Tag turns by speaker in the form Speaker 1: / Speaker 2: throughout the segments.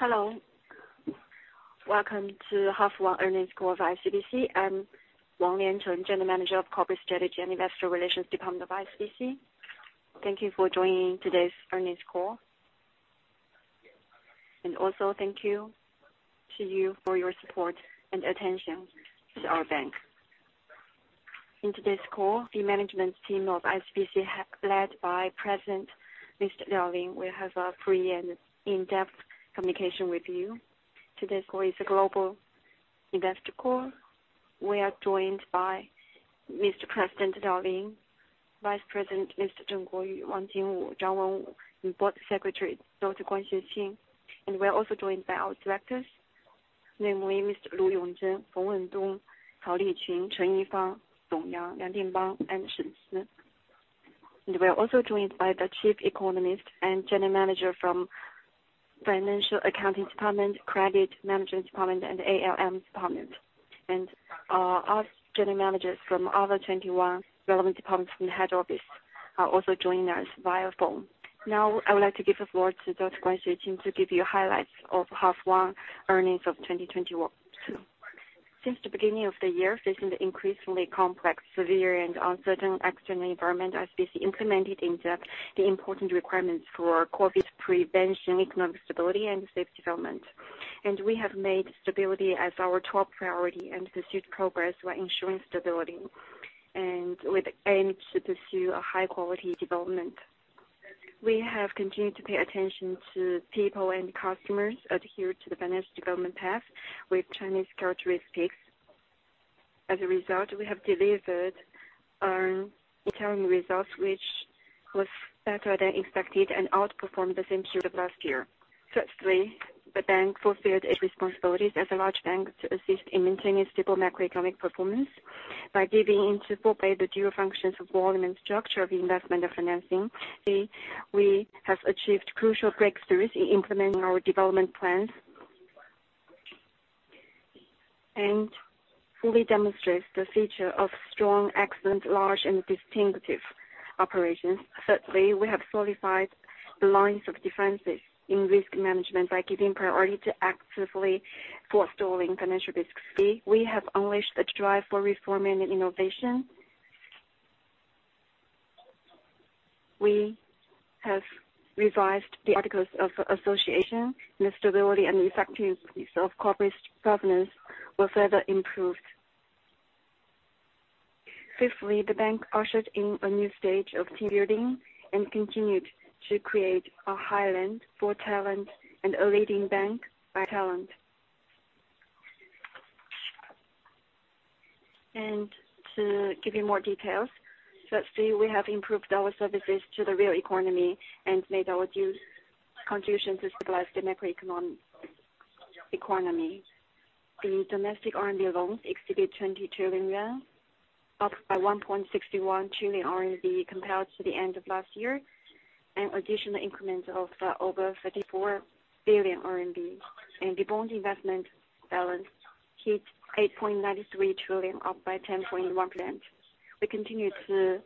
Speaker 1: Hello. Welcome to first half earnings call of ICBC. I'm Wang Liancheng, General Manager of Corporate Strategy and Investor Relations Department of ICBC. Thank you for joining today's earnings call. Also thank you to you for your support and attention to our bank. In today's call, the management team of ICBC led by President Mr. Liao Lin, will have a free and in-depth communication with you. Today's call is a global investor call. We are joined by President Mr. Liao Lin, Vice President Mr. Zheng Guoyu, Wang Jingwu, Zhang Wenwu, and Board Secretary Dr. Guan Xueqing. We're also joined by our directors, namely Mr. Lu Yongzhen, Feng Weidong, Cao Liqun, Chen Yifang, Song Jianhua, Liang Dingbang, and Shen Si. We're also joined by the Chief Economist and General Manager from Financial Accounting Department, Credit Management Department, and ALM Department. Our general managers from other 21 relevant departments in the head office are also joining us via phone. Now, I would like to give the floor to Dr. Guan Xueqing to give you highlights of first half earnings of 2021. Since the beginning of the year, facing the increasingly complex, severe and uncertain external environment, ICBC implemented in-depth the important requirements for COVID prevention, economic stability and safe development. We have made stability as our top priority and pursued progress while ensuring stability, and with aim to pursue a high quality development. We have continued to pay attention to people and customers, adhere to the balanced development path with Chinese characteristics. As a result, we have delivered return results which was better than expected and outperformed the same period of last year. Firstly, the bank fulfilled its responsibilities as a large bank to assist in maintaining stable macroeconomic performance by giving full play to the dual functions of volume and structure of investment and financing. We have achieved crucial breakthroughs in implementing our development plans. Fully demonstrates the feature of strong, excellent, large and distinctive operations. Thirdly, we have solidified the lines of defense in risk management by giving priority to actively forestalling financial risks. We have unleashed the drive for reform and innovation. We have revised the articles of association, and the stability and effectiveness of corporate governance was further improved. Fifthly, the bank ushered in a new stage of team building and continued to create a highland for talent and a leading bank by talent. To give you more details. Firstly, we have improved our services to the real economy and made our due contribution to stabilize the macroeconomy. The domestic RMB loans exceeded 20 trillion yuan, up by 1.61 trillion RMB compared to the end of last year, an additional increment of over 34 billion RMB. The bond investment balance hit 8.93 trillion, up by 10.1%. We continue to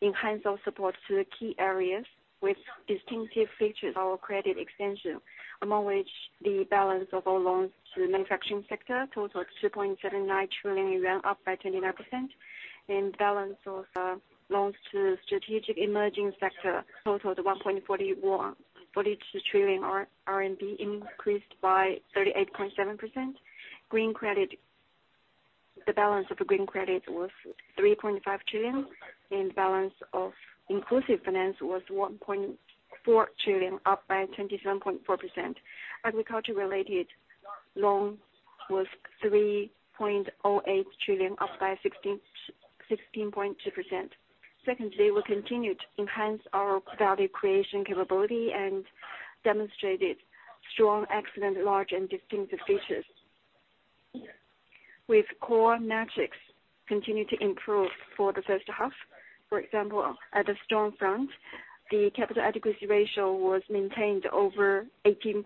Speaker 1: enhance our support to the key areas with distinctive features of our credit extension, among which the balance of our loans to the manufacturing sector totaled 2.79 trillion yuan, up by 29%. The balance of loans to strategic emerging sector totaled 1.42 trillion RMB, increased by 38.7%. Green credit. The balance of green credit was 3.5 trillion, and balance of inclusive finance was 1.4 trillion, up by 27.4%. Agriculture-related loans was 3.08 trillion, up by 16.2%. Secondly, we continued to enhance our value creation capability and demonstrated strong, excellent, large and distinctive features. With core metrics continued to improve for the first half. For example, at the strong front, the capital adequacy ratio was maintained over 18%,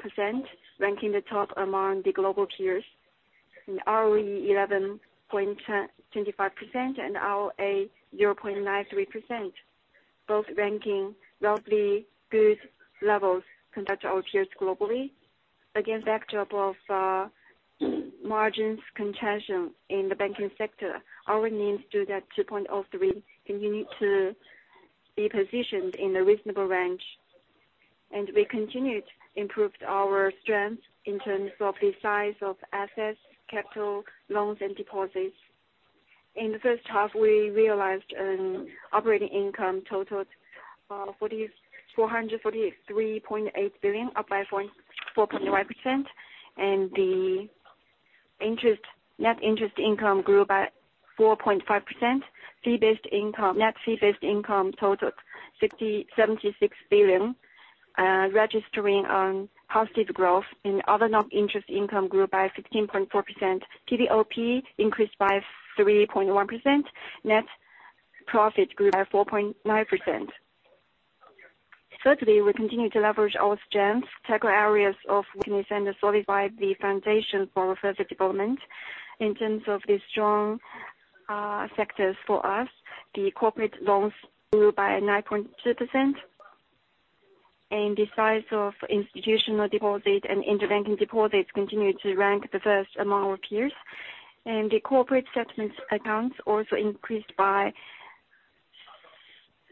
Speaker 1: ranking the top among the global peers. ROE 11.025% and ROA 0.93%, both ranking roughly good levels compared to our peers globally. Against backdrop of margins contention in the banking sector, our NIM stood at 2.03 continues to be positioned in a reasonable range. We continuously improved our strength in terms of the size of assets, capital, loans and deposits. In the first half, we realized an operating income totaled 4,443.8 billion, up by 4.9%. Net interest income grew by 4.5%. Net fee based income totaled 76 billion, registering a positive growth. Other non-interest income grew by 15.4%. PPOP increased by 3.1%. Net profit grew by 4.9%. Thirdly, we continue to leverage our strengths, tackle areas of weakness, and solidify the foundation for further development. In terms of the strong sectors for us, the corporate loans grew by 9.2%. The size of institutional deposit and interbank deposits continued to rank first among our peers. The corporate settlements accounts also increased by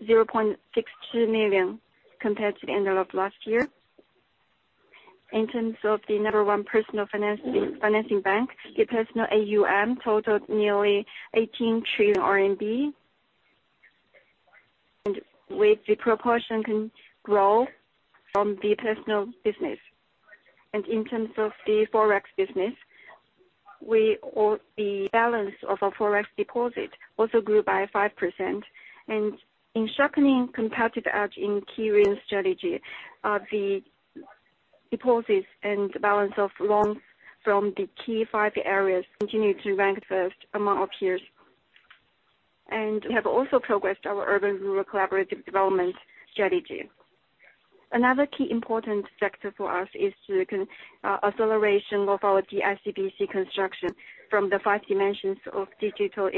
Speaker 1: 0.62 million compared to the end of last year. In terms of the number one personal bank, the personal AUM totaled nearly 18 trillion RMB. The proportion continues to grow in the personal business. In terms of the Forex business, the balance of our Forex deposit also grew by 5%. In sharpening competitive edge in key strategic areas, the deposits and balance of loans from the key five areas continue to rank first among our peers. We have also progressed our urban-rural collaborative development strategy. Another key important sector for us is the acceleration of our ICBC construction from the five dimensions of digital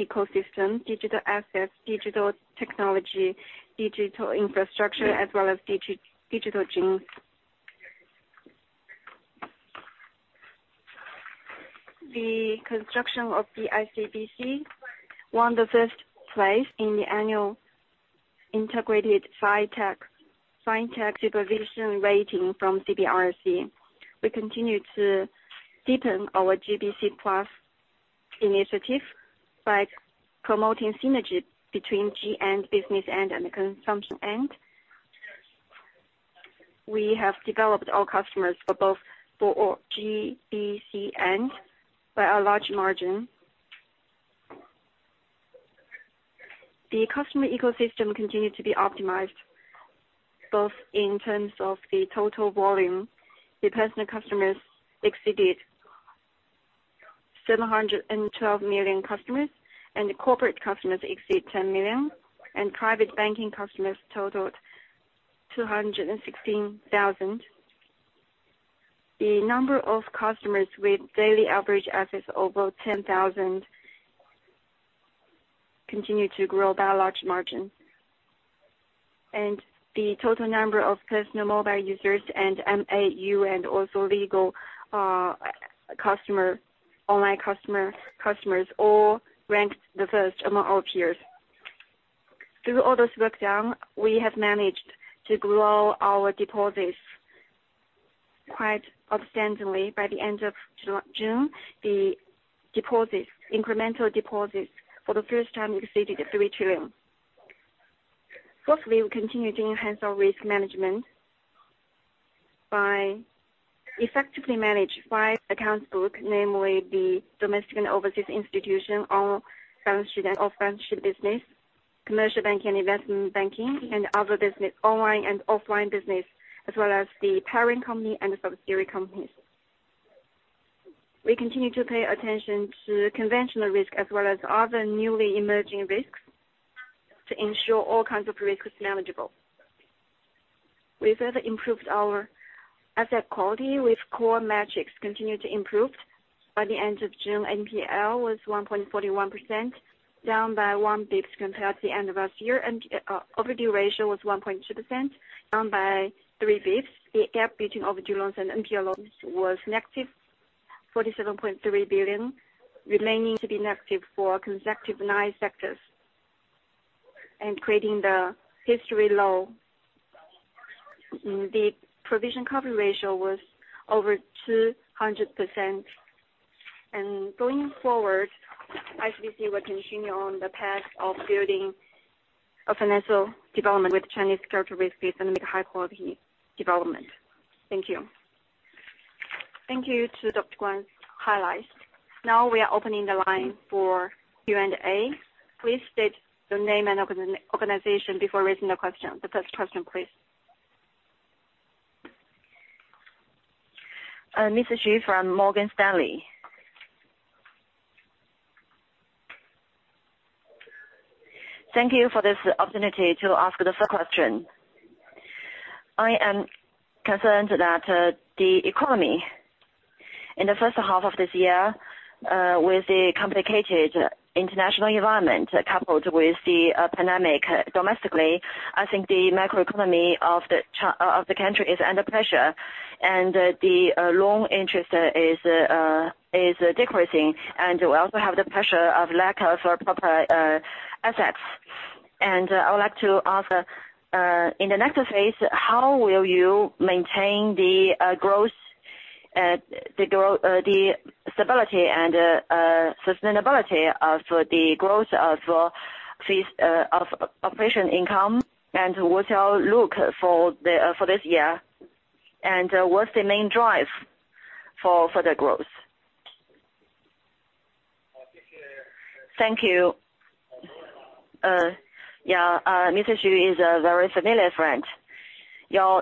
Speaker 1: ecosystem, digital assets, digital technology, digital infrastructure, as well as digital genes. The ICBC won the first place in the annual integrated FinTech supervision rating from CBRC. We continue to deepen our GBC Plus initiative by promoting synergies between G and business end and the consumption end. We have developed our customers for both GBC end by a large margin. The customer ecosystem continued to be optimized both in terms of the total volume. The personal customers exceeded 712 million customers, and the corporate customers exceed 10 million, and private banking customers totaled 216,000. The number of customers with daily average assets over 10,000 continued to grow by a large margin. The total number of personal mobile users and MAU and also legal customer online customers all ranked first among all peers. Through all this work done, we have managed to grow our deposits quite substantially. By the end of June, the deposits, incremental deposits, for the first time exceeded 3 trillion. Fourthly, we continue to enhance our risk management by effectively manage five account books, namely the domestic and overseas institution, all franchise and off-franchise business, commercial bank and investment banking and other business, online and offline business, as well as the parent company and subsidiary companies. We continue to pay attention to conventional risk as well as other newly emerging risks to ensure all kinds of risk is manageable. We further improved our asset quality with core metrics continued to improved. By the end of June, NPL was 1.41%, down by 1 basis point compared to the end of last year, and overdue ratio was 1.2%, down by 3 basis points. The gap between overdue loans and NPL loans was -47.3 billion, remaining to be negative for consecutive nine quarters and creating the historical low. The provision coverage ratio was over 200%. Going forward, ICBC will continue on the path of building a financial development with Chinese characteristics and make high-quality development. Thank you. Thank you to Dr. Guan Xueqing's highlights. Now we are opening the line for Q&A. Please state your name and organization before raising the question. The first question, please. Xu Shouben from Morgan Stanley. Thank you for this opportunity to ask the first question. I am concerned that the economy in the first half of this year with the complicated international environment coupled with the pandemic domestically, I think the macro economy of the country is under pressure and the long interest is decreasing. We also have the pressure of lack of proper assets. I would like to ask, in the next phase, how will you maintain the growth, the stability and sustainability of the growth of fees and operating income, and what's your outlook for this year, and what's the main driver for the growth? Thank you. Mrs. Xu is a very familiar friend.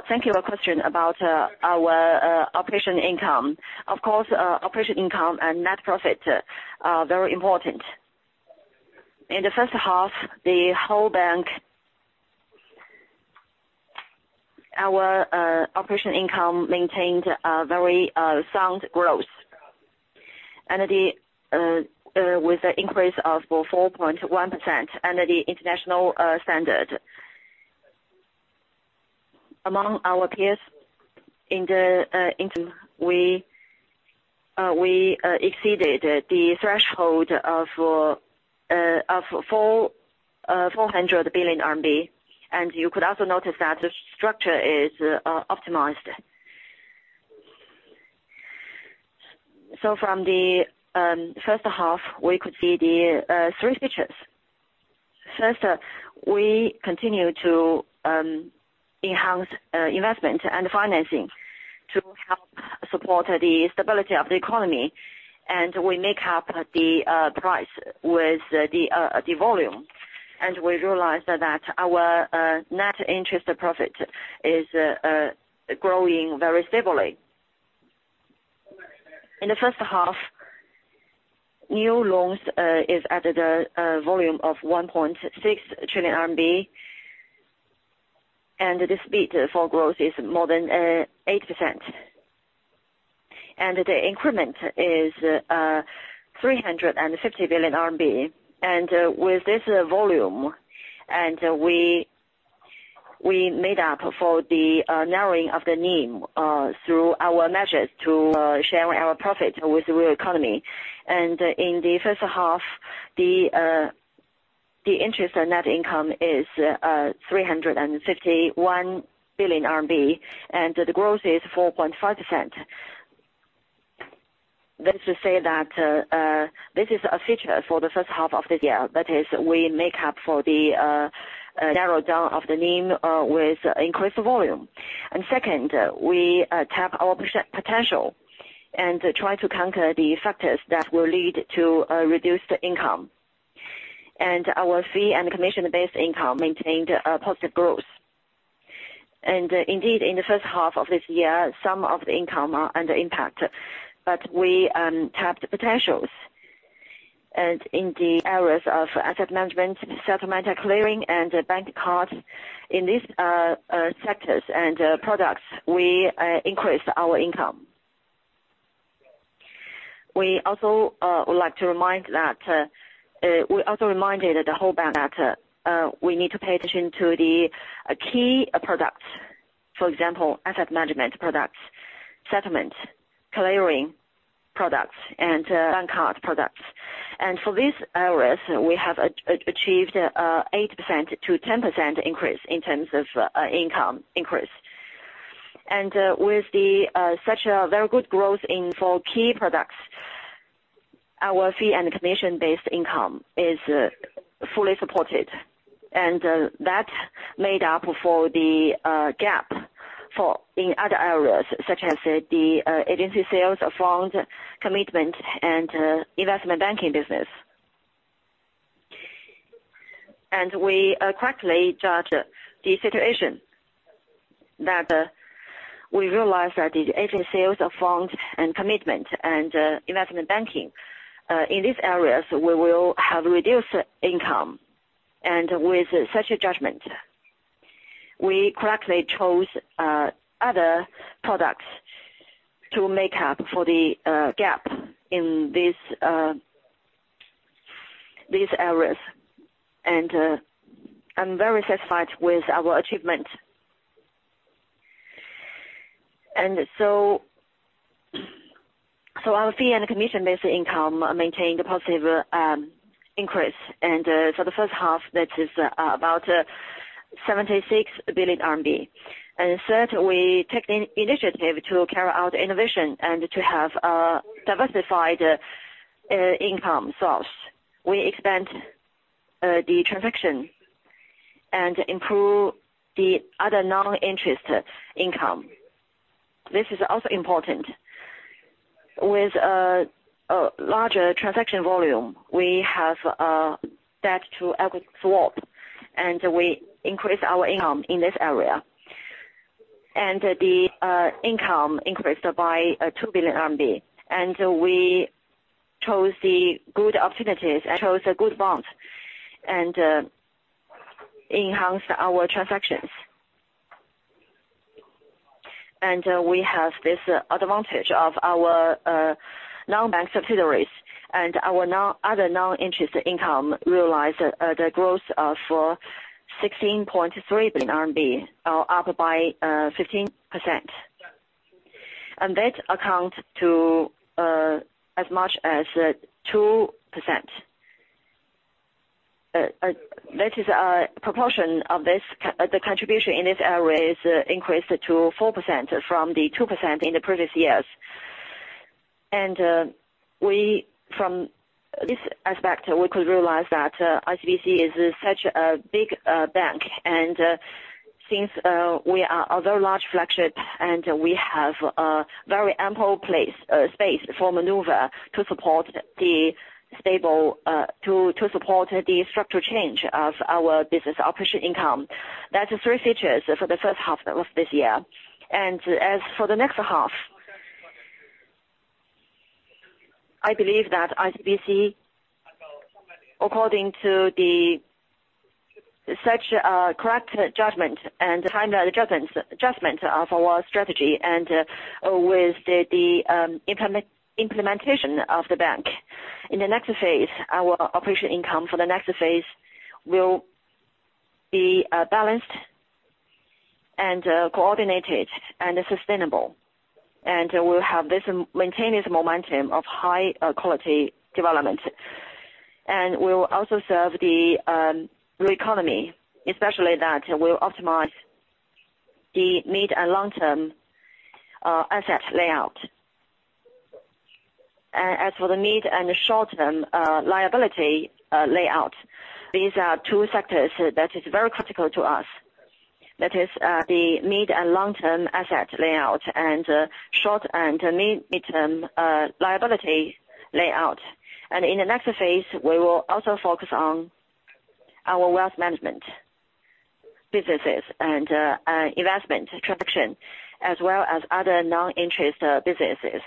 Speaker 1: Thank you. A question about our operating income. Of course, operating income and net profit are very important. In the first half, the whole bank Our operating income maintained a very sound growth with the increase of 4.1% under the international standard. Among our peers, we exceeded the threshold of 400 billion RMB. You could also notice that the structure is optimized. From the first half, we could see the three features. First, we continue to enhance investment and financing to help support the stability of the economy, and we make up the price with the volume. We realized that our net interest profit is growing very stably. In the first half, new loans is at a volume of 1.6 trillion RMB. The speed for growth is more than 8%. The increment is 350 billion RMB. With this volume, we made up for the narrowing of the NIM through our measures to share our profit with the real economy. In the first half, the interest and net income is 351 billion RMB, and the growth is 4.5%. That's to say that this is a feature for the first half of this year. That is, we make up for the narrow down of the NIM with increased volume. Second, we tap our potential and try to counter the factors that will lead to a reduced income. Our fee and commission-based income maintained a positive growth. Indeed, in the first half of this year, some of the income are under impact, but we tapped the potentials. In the areas of asset management, settlement and clearing, and bank cards, in these sectors and products, we increased our income. We also would like to remind that we also reminded that the whole bank that we need to pay attention to the key products. For example, asset management products, settlement, clearing products, and bank card products. For these areas, we have achieved 8%-10% increase in terms of income increase. With such a very good growth in four key products, our fee and commission-based income is fully supported. That made up for the gap in other areas, such as the agency sales of funds, commitment, and investment banking business. We correctly judge the situation that we realized that the agency sales of bonds and commitment and investment banking in these areas, we will have reduced income. With such a judgment, we correctly chose other products to make up for the gap in these areas. I'm very satisfied with our achievement. Our fee and commission-based income maintained a positive increase. For the first half, that is about 76 billion RMB. Third, we take the initiative to carry out innovation and to have a diversified income source. We expand the transaction and improve the other non-interest income. This is also important. With a larger transaction volume, we have debt to equity swap, and we increase our income in this area. The income increased by 2 billion RMB. We chose the good opportunities and chose the good bonds and enhanced our transactions. We have this advantage of our non-bank subsidiaries. Our other non-interest income realized the growth of 16.3 billion RMB, up by 15%. That amounts to as much as 2%. That is a proportion of this, the contribution in this area is increased to 4% from the 2% in the previous years. From this aspect, we could realize that ICBC is such a big bank, and since we are a very large flagship, and we have a very ample space for maneuver to support the structural change of our business operation income. That's the three features for the first half of this year. As for the next half, I believe that ICBC, according to such correct judgment and timely adjustment of our strategy and with the implementation of the bank. In the next phase, our operation income for the next phase will be balanced and coordinated and sustainable. We'll maintain this momentum of high quality development. We'll also serve the real economy, especially that we'll optimize the mid- and long-term asset layout. As for the mid and short-term liability layout, these are two sectors that is very critical to us. That is, the mid and long-term asset layout and short and midterm liability layout. In the next phase, we will also focus on our wealth management businesses and investment attraction as well as other non-interest businesses.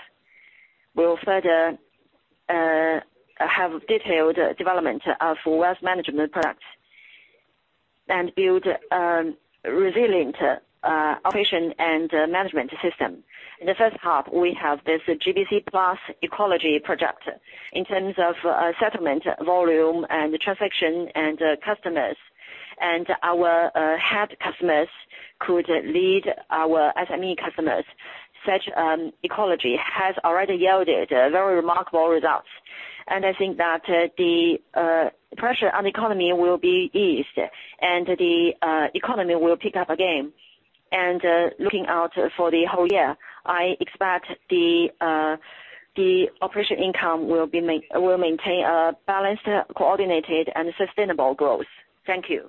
Speaker 1: We'll further have detailed development of wealth management products and build resilient operation and management system. In the first half, we have this GBC Plus ecology project in terms of settlement volume and transaction and customers. Our head customers could lead our SME customers. Such ecology has already yielded very remarkable results, and I think that the pressure on the economy will be eased and the economy will pick up again. Looking out for the whole year, I expect the operating income will maintain a balanced, coordinated, and sustainable growth. Thank you.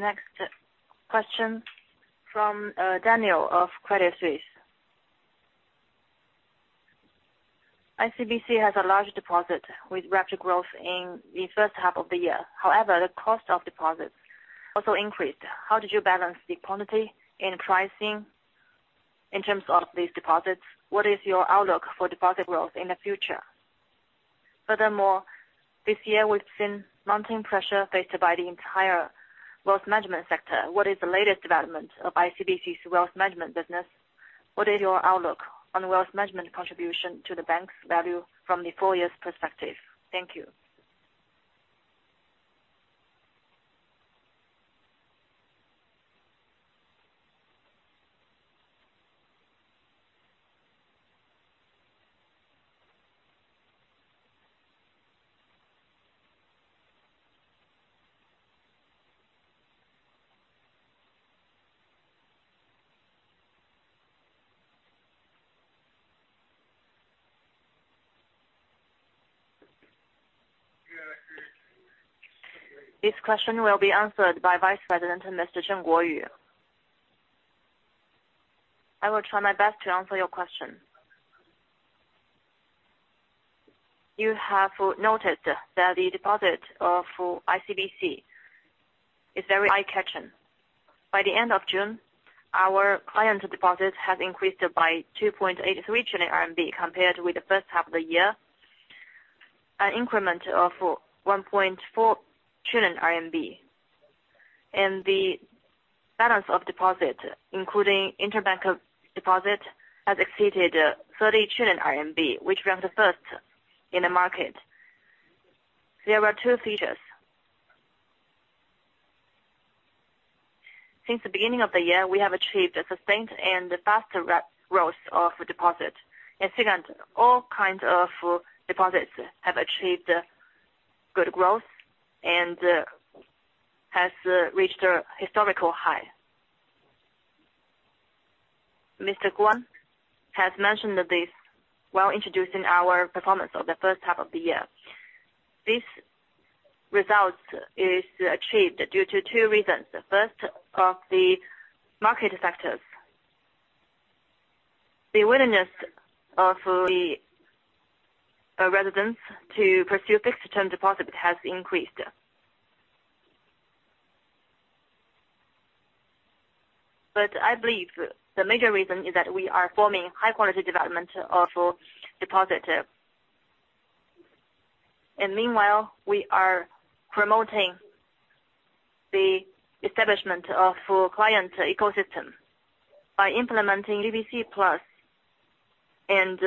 Speaker 2: The next question from Daniel of Credit Suisse. ICBC has a large deposit with rapid growth in the first half of the year. However, the cost of deposits also increased. How did you balance the quantity and pricing in terms of these deposits? What is your outlook for deposit growth in the future? Furthermore, this year we've seen mounting pressure faced by the entire wealth management sector. What is the latest development of ICBC's wealth management business? What is your outlook on wealth management contribution to the bank's value from the full year's perspective? Thank you.
Speaker 1: This question will be answered by Vice President Mr. Zheng Guoyu. I will try my best to answer your question. You have noticed that the deposit of ICBC is very eye-catching. By the end of June, our client deposits have increased by 2.83 trillion RMB compared with the first half of the year, an increment of 1.4 trillion RMB. The balance of deposit, including interbank deposit, has exceeded 30 trillion RMB, which ranks first in the market. There are two features. Since the beginning of the year, we have achieved a sustained and faster rate of growth of deposit. Second, all kinds of deposits have achieved good growth and has reached a historical high. Mr. Guan has mentioned this while introducing our performance of the first half of the year. This result is achieved due to two reasons. The first of the market factors. The willingness of the residents to pursue fixed term deposit has increased. I believe the major reason is that we are forming high-quality development of deposit. Meanwhile, we are promoting the establishment of client ecosystem by implementing GBC Plus and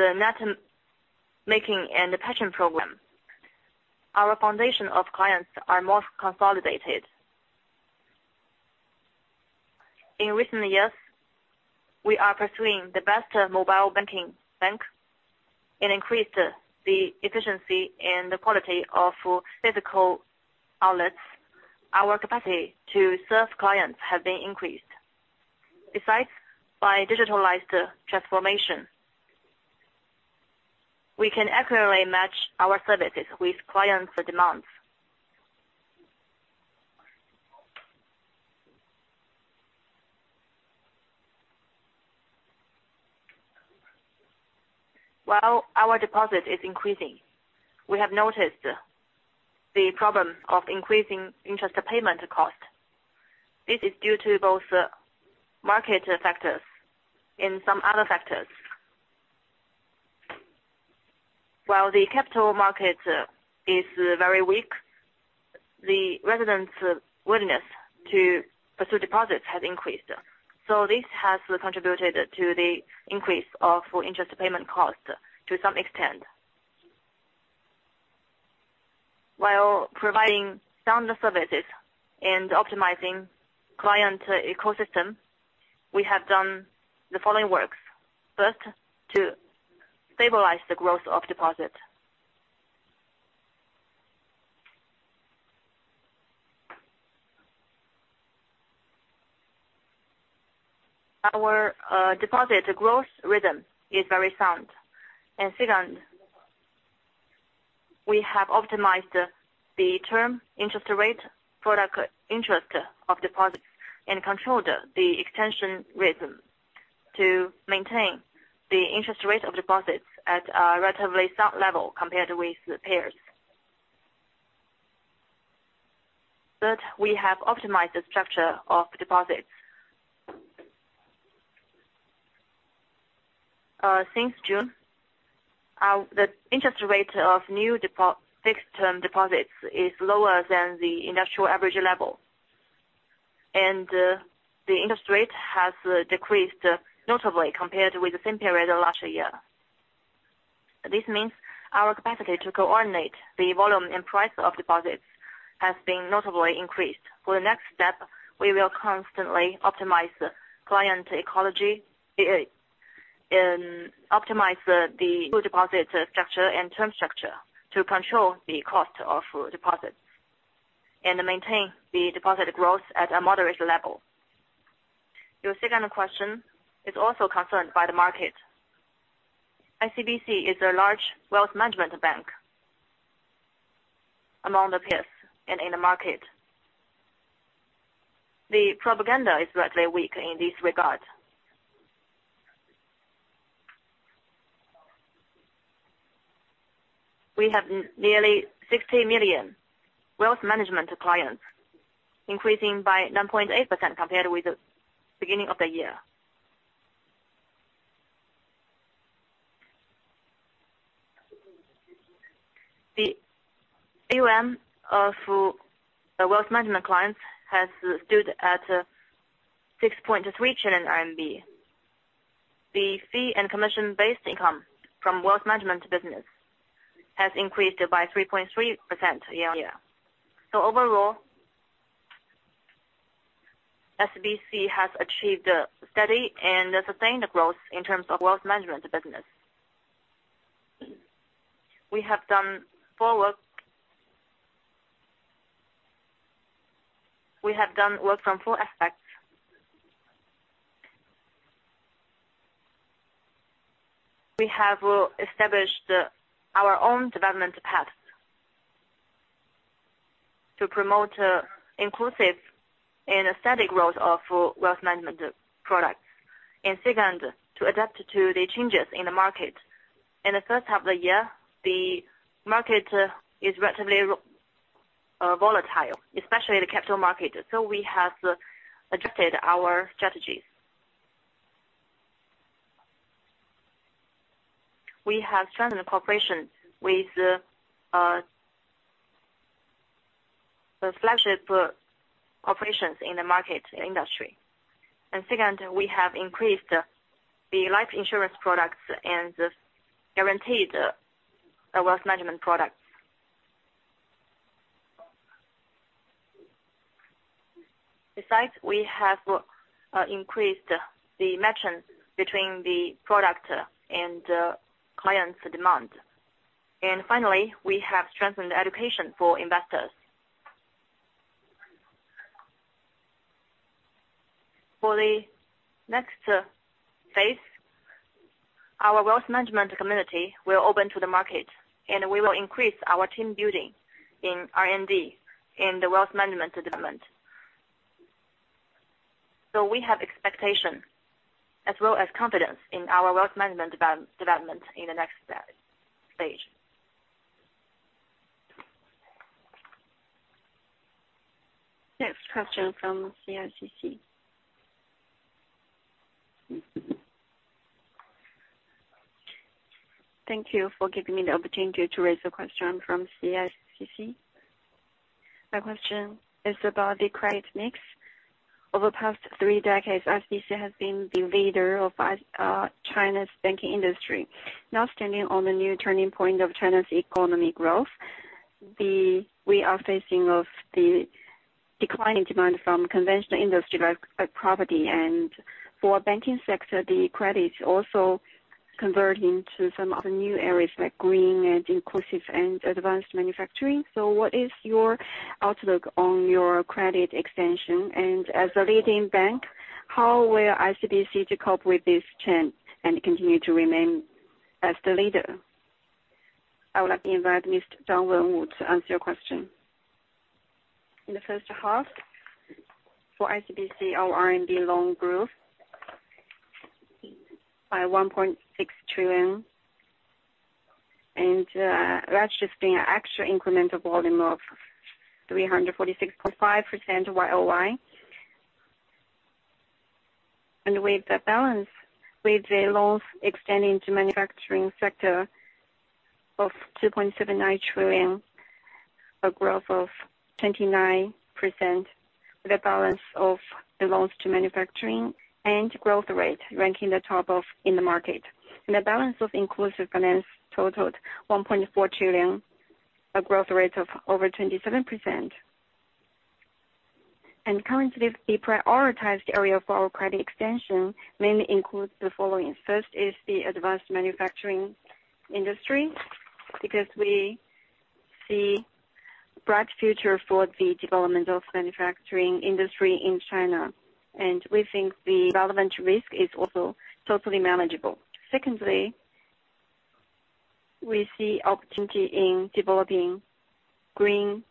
Speaker 1: networking and the pension program. Our foundation of clients are more consolidated. In recent years, we are pursuing the best mobile banking bank and increased the efficiency and the quality of physical outlets. Our capacity to serve clients have been increased. Besides, by digital transformation, we can accurately match our services with clients' demands. While our deposit is increasing, we have noticed the problem of increasing interest payment cost. This is due to both market factors and some other factors. While the capital market is very weak, the residents' willingness to pursue deposits has increased. This has contributed to the increase of interest payment cost to some extent. While providing sound services and optimizing client ecosystem, we have done the following works. First, to stabilize the growth of deposit. Our deposit growth rhythm is very sound. Second, we have optimized the term interest rate, product interest of deposits, and controlled the extension rhythm to maintain the interest rate of deposits at a relatively sound level compared with the peers. Third, we have optimized the structure of deposits. Since June, the interest rate of new fixed term deposits is lower than the industry average level, and the interest rate has decreased notably compared with the same period of last year. This means our capacity to coordinate the volume and price of deposits has been notably increased. For the next step, we will constantly optimize the client ecosystem, and optimize the full deposit structure and term structure to control the cost of deposits and maintain the deposit growth at a moderate level. Your second question is also concerned by the market. ICBC is a large wealth management bank among the peers and in the market. The propaganda is relatively weak in this regard. We have nearly 60 million wealth management clients, increasing by 9.8% compared with the beginning of the year. The AUM of the wealth management clients has stood at 6.3 trillion RMB. The fee and commission-based income from wealth management business has increased by 3.3% year-on-year. Overall, ICBC has achieved a steady and sustained growth in terms of wealth management business. We have done work from full aspects. We have established our own development path to promote inclusive and steady growth of wealth management products. Second, to adapt to the changes in the market. In the first half of the year, the market is relatively volatile, especially the capital market, so we have adjusted our strategies. We have strengthened the cooperation with the flagship operations in the market industry. Second, we have increased the life insurance products and the guaranteed wealth management products. Besides, we have increased the matchings between the product and client's demand. Finally, we have strengthened the education for investors. For the next phase, our wealth management community will open to the market, and we will increase our team building in R&D in the wealth management development. We have expectation as well as confidence in our wealth management development in the next stage. Next question from CICC. Thank you for giving me the opportunity to raise a question from CICC. My question is about the credit mix. Over the past three decades, ICBC has been the leader of China's banking industry. Now standing on the new turning point of China's economic growth, we are facing the decline in demand from conventional industry like property and for banking sector, the credit also converts into some other new areas like green and inclusive and advanced manufacturing. What is your outlook on your credit extension? And as a leading bank, how will ICBC cope with this change and continue to remain as the leader? I would like to invite Mr. Zhang Wenwu to answer your question. In the first half for ICBC, our R&D loan growth by 1.6 trillion. That's just been an extra incremental volume of 346.5% YOY. With that balance, with the loans extending to manufacturing sector of 2.79 trillion, a growth of 29% with a balance of the loans to manufacturing and growth rate ranking the top one in the market. The balance of inclusive finance totaled 1.4 trillion, a growth rate of over 27%. Currently, the prioritized area for our credit extension mainly includes the following. First is the advanced manufacturing industry, because we see bright future for the development of manufacturing industry in China, and we think the development risk is also totally manageable. Secondly, we see opportunity in developing green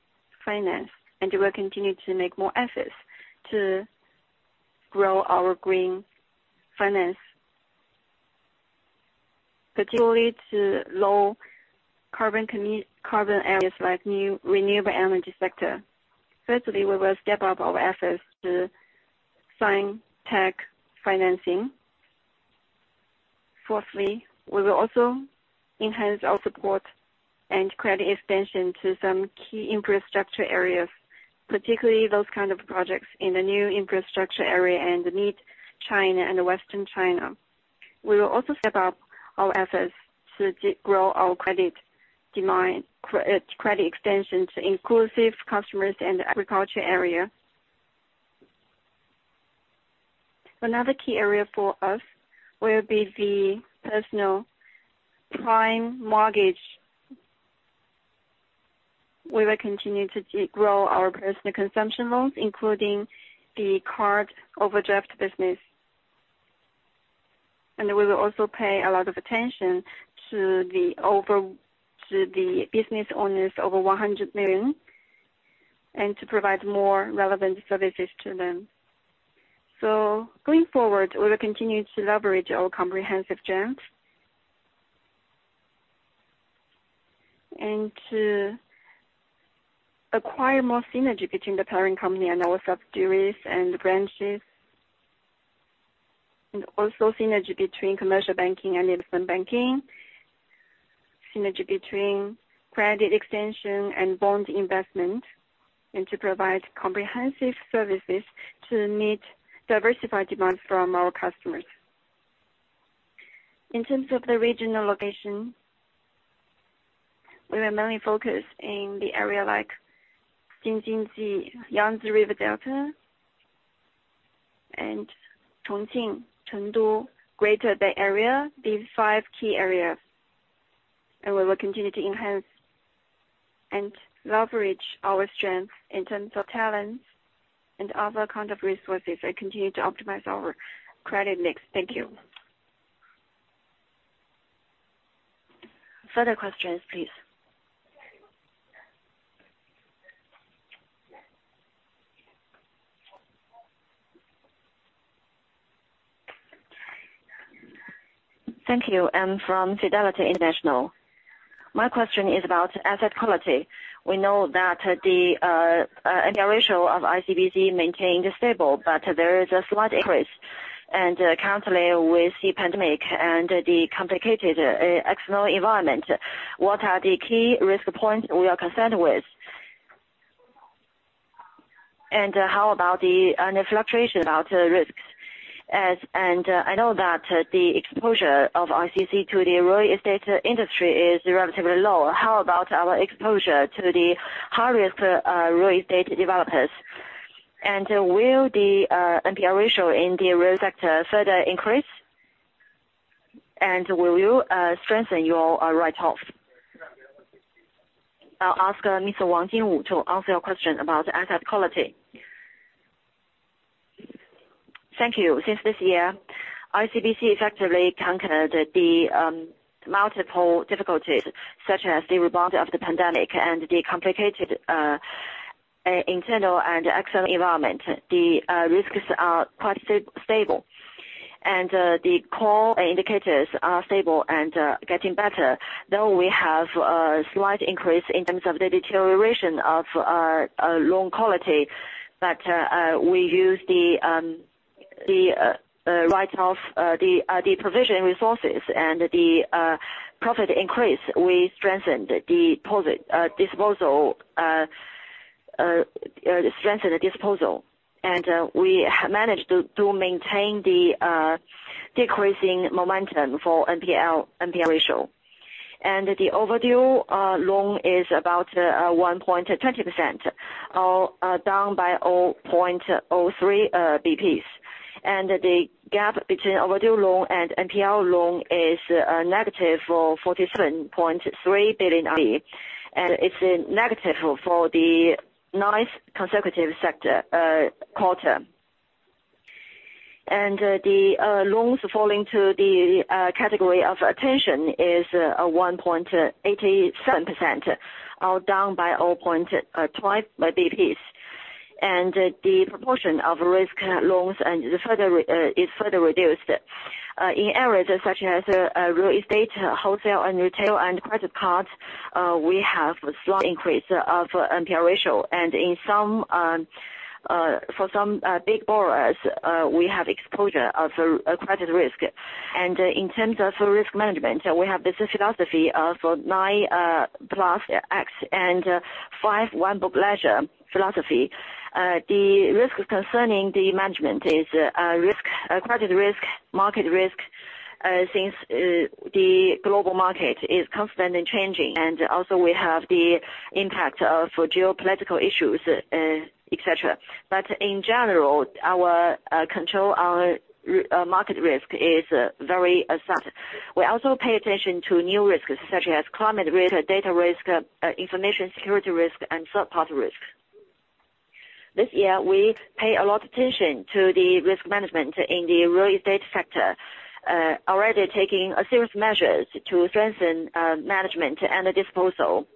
Speaker 1: finance, and we'll continue to make more efforts to grow our green finance. Particularly to low carbon areas like new renewable energy sector. Thirdly, we will step up our efforts to fintech financing. Fourthly, we will also enhance our support and credit extension to some key infrastructure areas, particularly those kind of projects in the new infrastructure area and the central and western China. We will also step up our efforts to grow our credit demand, credit extension to inclusive customers in the agriculture area. Another key area for us will be the personal prime mortgage. We will continue to grow our personal consumption loans, including the card overdraft business. We will also pay a lot of attention to the business owners over 100 million, and to provide more relevant services to them. Going forward, we will continue to leverage our comprehensive strength to acquire more synergy between the parent company and our subsidiaries and branches. Also synergy between commercial banking and investment banking. Synergy between credit extension and bond investment. To provide comprehensive services to meet diversified demand from our customers. In terms of the regional location, we are mainly focused in the area like Jingjinji, Yangtze River Delta, and Chongqing, Chengdu, Greater Bay Area, these five key areas. We will continue to enhance and leverage our strength in terms of talents and other kind of resources and continue to optimize our credit mix. Thank you. Further questions, please. Thank you. I'm from Fidelity International. My question is about asset quality. We know that the NPL ratio of ICBC maintained stable, but there is a slight increase. Currently with the pandemic and the complicated external environment, what are the key risk points we are concerned with? How about the fluctuation about risks? I know that the exposure of ICBC to the real estate industry is relatively low. How about our exposure to the high-risk real estate developers? Will the NPL ratio in the real sector further increase? Will you strengthen your write-off? I'll ask Mr. Wang Jingwu to answer your question about asset quality. Thank you. Since this year, ICBC effectively conquered the multiple difficulties such as the rebound of the pandemic and the complicated internal and external environment. The risks are quite stable, and the core indicators are stable and getting better, though we have a slight increase in terms of the deterioration of loan quality. We use the write-off, the provision resources and the profit increase. We strengthened the disposal. We managed to maintain the decreasing momentum for NPL ratio. The overdue loan is about 1.20%, down by 0.03 basis points. The gap between overdue loan and NPL loan is negative 47.3 billion RMB. It's negative for the ninth consecutive quarter. The loans falling to the category of attention is 1.87%, down by 0.2 basis points. The proportion of risk loans and the further is further reduced. In areas such as real estate, wholesale and retail and credit cards, we have a slight increase of NPL ratio. In some for some big borrowers, we have exposure of a credit risk. In terms of risk management, we have this philosophy of 9+X and five account books philosophy. The risk concerning the management is risk, credit risk, market risk, since the global market is constantly changing, and also we have the impact of geopolitical issues, et cetera. In general, our market risk control is very assessed. We also pay attention to new risks such as climate risk, data risk, information security risk, and third-party risk. This year, we pay a lot of attention to the risk management in the real estate sector, already taking serious measures to strengthen management and the disposal.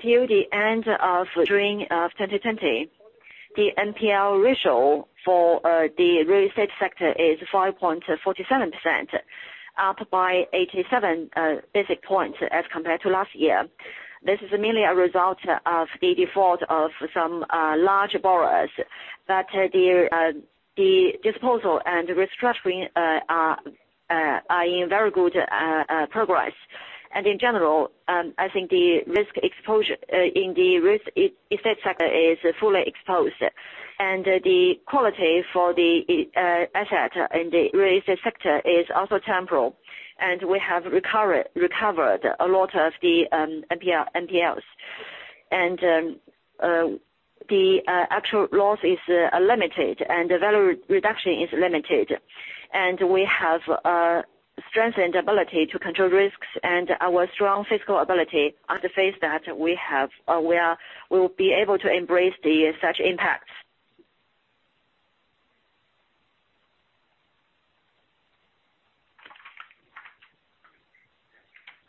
Speaker 1: Till the end of 2020, the NPL ratio for the real estate sector is 5.47%, up by 87 basis points as compared to last year. This is mainly a result of the default of some large borrowers, but the disposal and restructuring are in very good progress. In general, I think the risk exposure in the real estate sector is fully exposed. The quality for the asset in the real estate sector is also stable, and we have recovered a lot of the NPLs. The actual loss is limited and the value reduction is limited. We have strengthened ability to control risks and our strong financial ability on the basis that we will be able to embrace such impacts.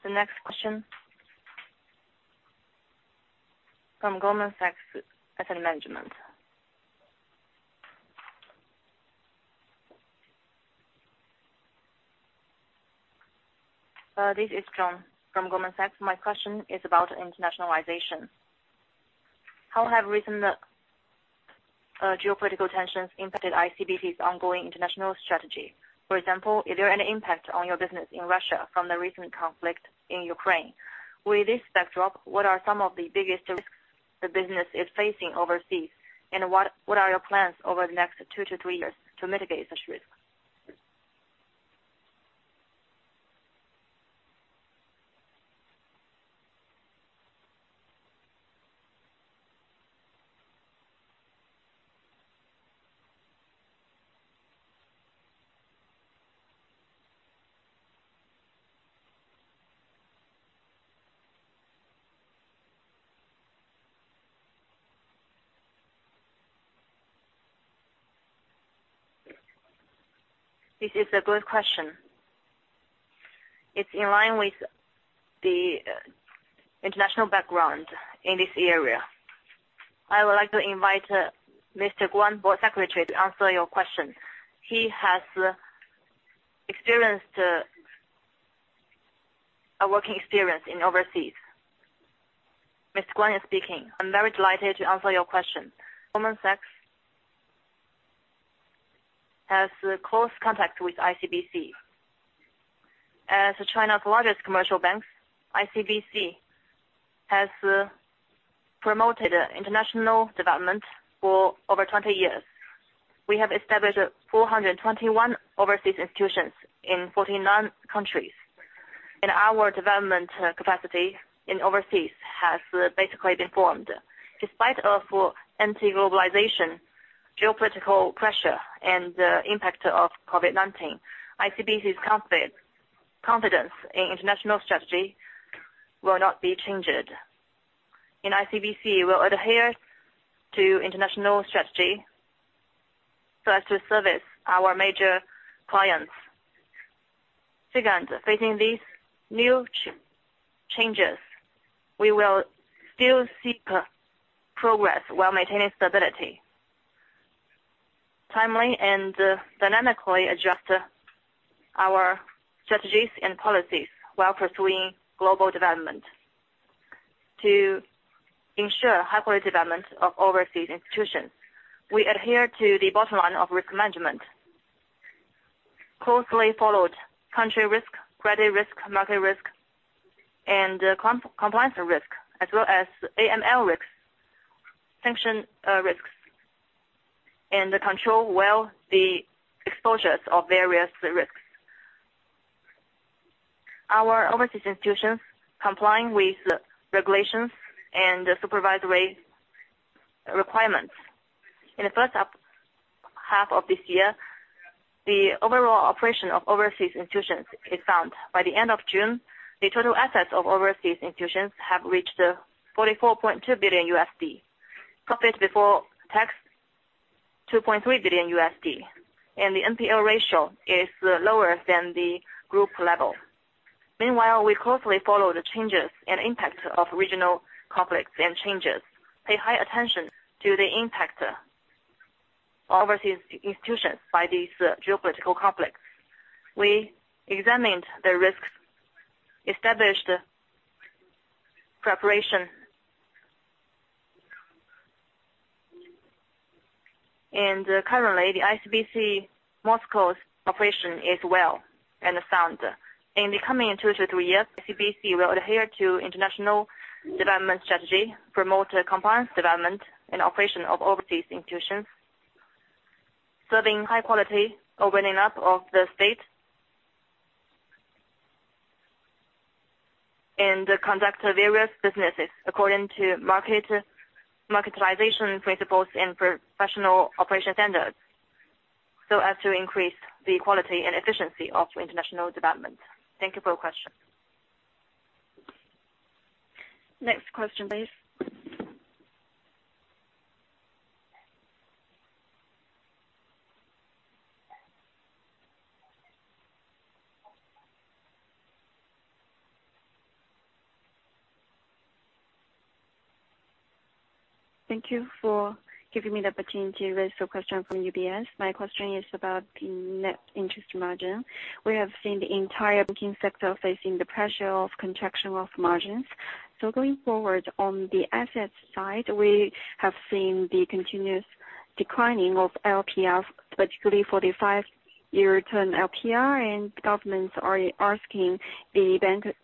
Speaker 1: The next question. From Goldman Sachs Asset Management. This is John from Goldman Sachs. My question is about internationalization. How have recent geopolitical tensions impacted ICBC's ongoing international strategy? For example, is there any impact on your business in Russia from the recent conflict in Ukraine? With this backdrop, what are some of the biggest risks the business is facing overseas, and what are your plans over the next 2-3 years to mitigate such risk? This is a good question. It's in line with the international background in this area. I would like to invite Mr. Guan Xueqing, Board Secretary, to answer your question. He has experienced, a working experience in overseas. Mr. Guan Xueqing speaking. I'm very delighted to answer your question. Goldman Sachs has close contact with ICBC. As China's largest commercial bank, ICBC has promoted international development for over 20 years. We have established 421 overseas institutions in 49 countries, and our development capacity in overseas has basically been formed. Despite of anti-globalization, geopolitical pressure, and the impact of COVID-19, ICBC's confidence in international strategy will not be changed. In ICBC, we will adhere to international strategy so as to service our major clients. Second, facing these new changes, we will still seek progress while maintaining stability. Timely and dynamically adjust our strategies and policies while pursuing global development. To ensure high quality development of overseas institutions, we adhere to the bottom line of risk management. Closely followed country risk, credit risk, market risk and compliance risk, as well as AML risks, sanction risks, and controlled well the exposures of various risks. Our overseas institutions complying with regulations and supervisory requirements. In the first half of this year The overall operation of overseas institutions is sound. By the end of June, the total assets of overseas institutions have reached $44.2 billion. Profit before tax, $2.3 billion, and the NPL ratio is lower than the group level. Meanwhile, we closely follow the changes and impact of regional conflicts and changes, pay high attention to the impact overseas institutions by these geopolitical conflicts. We examined the risks, established preparation. Currently, the ICBC Moscow's operation is well and sound. In the coming two-three years, ICBC will adhere to international development strategy, promote compliance, development, and operation of overseas institutions, serving high quality, opening up of the state, and conduct various businesses according to marketization principles and professional operation standards, so as to increase the quality and efficiency of international development. Thank you for your question. Next question, please. Thank you for giving me the opportunity to raise the question from UBS. My question is about the net interest margin. We have seen the entire banking sector facing the pressure of contraction of margins. Going forward on the asset side, we have seen the continuous declining of LPR, particularly for the five-year term LPR, and governments are asking the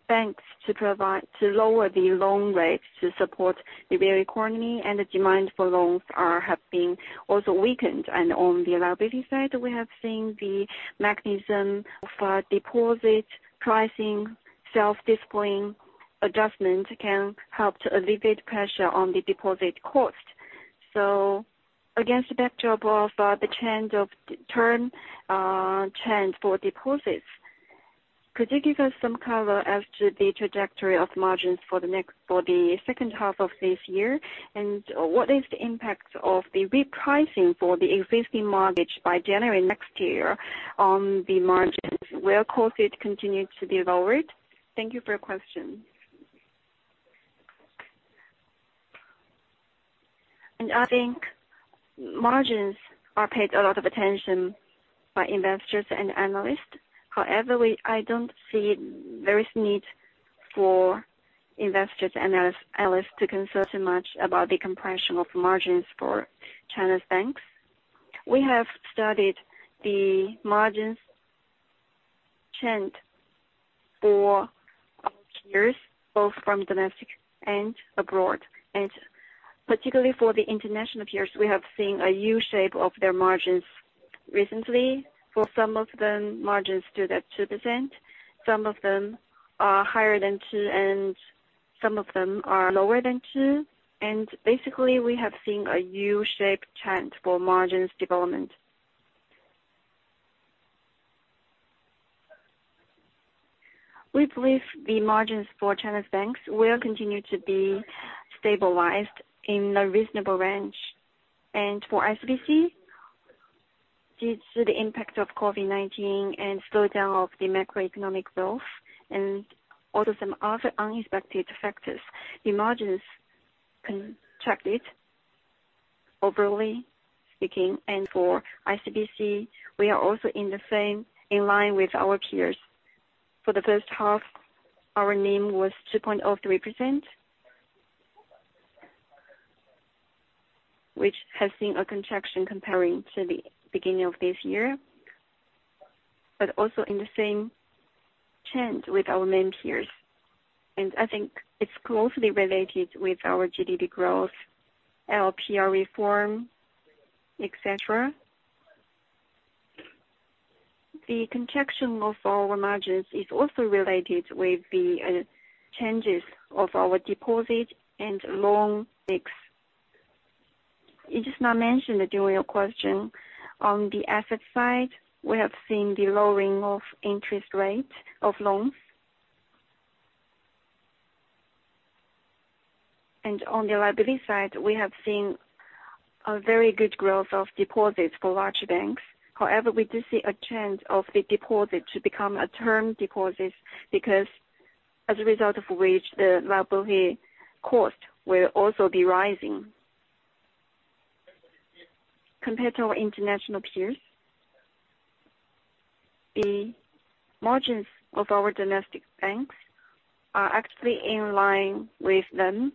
Speaker 1: banks to provide to lower the loan rates to support the very economy and the demand for loans have been also weakened. On the liability side, we have seen the mechanism for deposit pricing, self-disciplining adjustment can help to alleviate pressure on the deposit cost. Against the backdrop of the trend of term, trend for deposits, could you give us some color as to the trajectory of margins for the second half of this year? What is the impact of the repricing for the existing mortgage by January next year on the margins? Will costs continue to be lowered? Thank you for your question. I think margins are paid a lot of attention by investors and analysts. However, I don't see there is need for investors and analysts to concern too much about the compression of margins for China's banks. We have studied the margins trend for our peers, both from domestic and abroad. Particularly for the international peers, we have seen a U-shape of their margins recently. For some of them, margins stood at 2%, some of them are higher than 2%, and some of them are lower than 2%. Basically, we have seen a U-shape trend for margins development. We believe the margins for China's banks will continue to be stabilized in a reasonable range.
Speaker 3: For ICBC, due to the impact of COVID-19 and slowdown of the macroeconomic growth and also some other unexpected factors, the margins contracted overall speaking. For ICBC, we are also in line with our peers. For the first half, our NIM was 2.03%, which has seen a contraction comparing to the beginning of this year, but also in the same trend with our main peers. I think it's closely related with our GDP growth, LPR reform, et cetera. The contraction of our margins is also related with the changes of our deposit and loan mix. You just now mentioned during your question, on the asset side, we have seen the lowering of interest rate of loans. On the liability side, we have seen a very good growth of deposits for large banks.
Speaker 1: However, we do see a trend of the deposits to become term deposits, because as a result of which, the liability cost will also be rising. Compared to our international peers, the margins of our domestic banks are actually in line with them.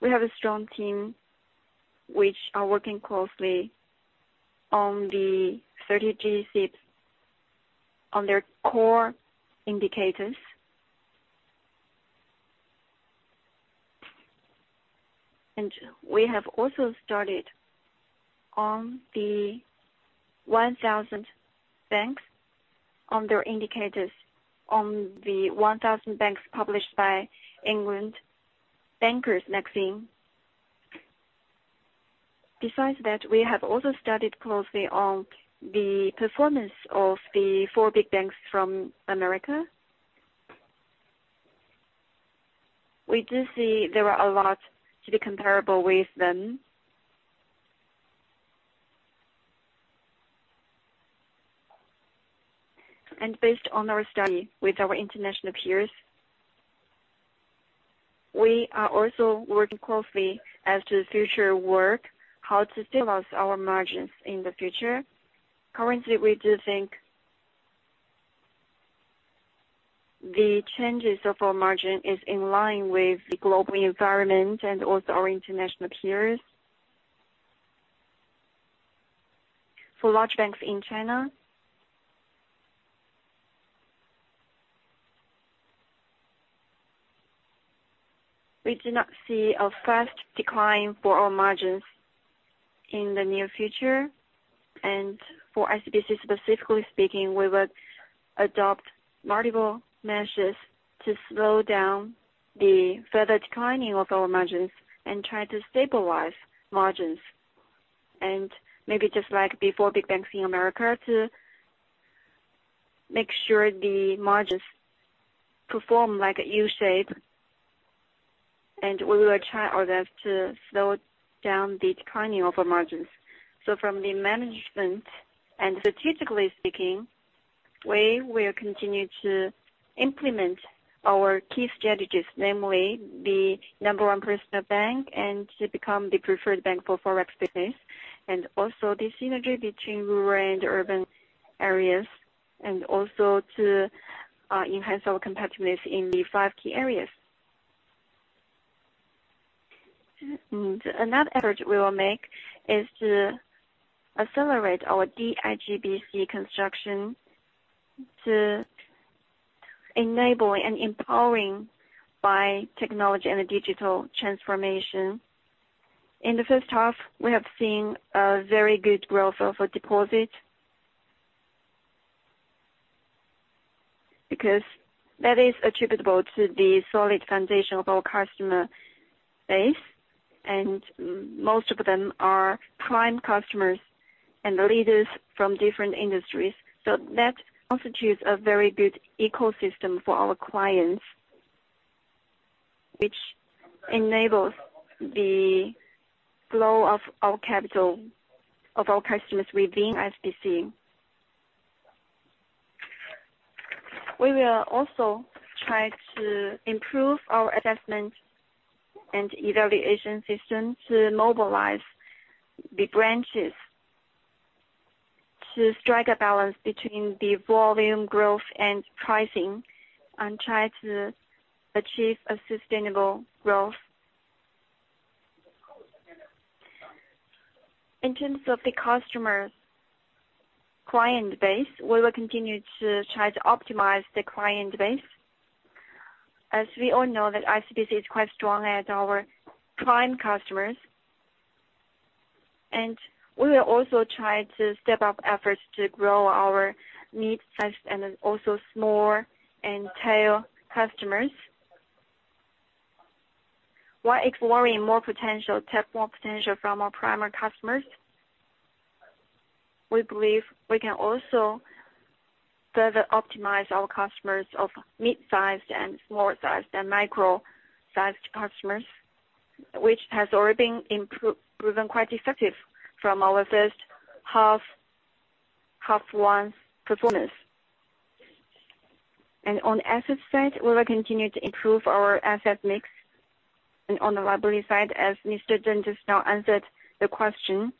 Speaker 1: We have a strong team which are working closely on the strategic assets on their core indicators. We have also started on the indicators of the 1,000 banks published by The Banker magazine. Besides that, we have also studied closely on the performance of the four big banks from America. We do see there are a lot to be comparable with them. Based on our study with our international peers, we are also working closely as to the future work, how to stabilize our margins in the future. Currently, we do think. The changes of our margin is in line with the global environment and also our international peers. For large banks in China, we do not see a fast decline for our margins in the near future. For ICBC specifically speaking, we would adopt multiple measures to slow down the further declining of our margins and try to stabilize margins. Maybe just like before, big banks in America to make sure the margins perform like a U-shape, and we will try our best to slow down the declining of our margins. From the management and strategically speaking, we will continue to implement our key strategies, namely the number one personal bank, and to become the preferred bank for Forex business, and also the synergy between rural and urban areas, and also to enhance our competitiveness in the five key areas. Another effort we will make is to accelerate our D-ICBC construction to enable and empowering by technology and the digital transformation. In the first half, we have seen a very good growth of our deposit. Because that is attributable to the solid foundation of our customer base, and most of them are prime customers and the leaders from different industries. That constitutes a very good ecosystem for our clients, which enables the flow of our capital, of our customers within ICBC. We will also try to improve our assessment and evaluation system to mobilize the branches to strike a balance between the volume growth and pricing, and try to achieve a sustainable growth. In terms of the customer client base, we will continue to try to optimize the client base. As we all know that ICBC is quite strong at our prime customers. We will also try to step up efforts to grow our midsize and then also small and retail customers. While exploring more potential, tap more potential from our primary customers, we believe we can also further optimize our customers of mid-sized and small-sized and micro-sized customers, which has already been proven quite effective from our first half performance. On the asset side, we will continue to improve our asset mix. On the liability side, as Mr. Zheng just now answered the question,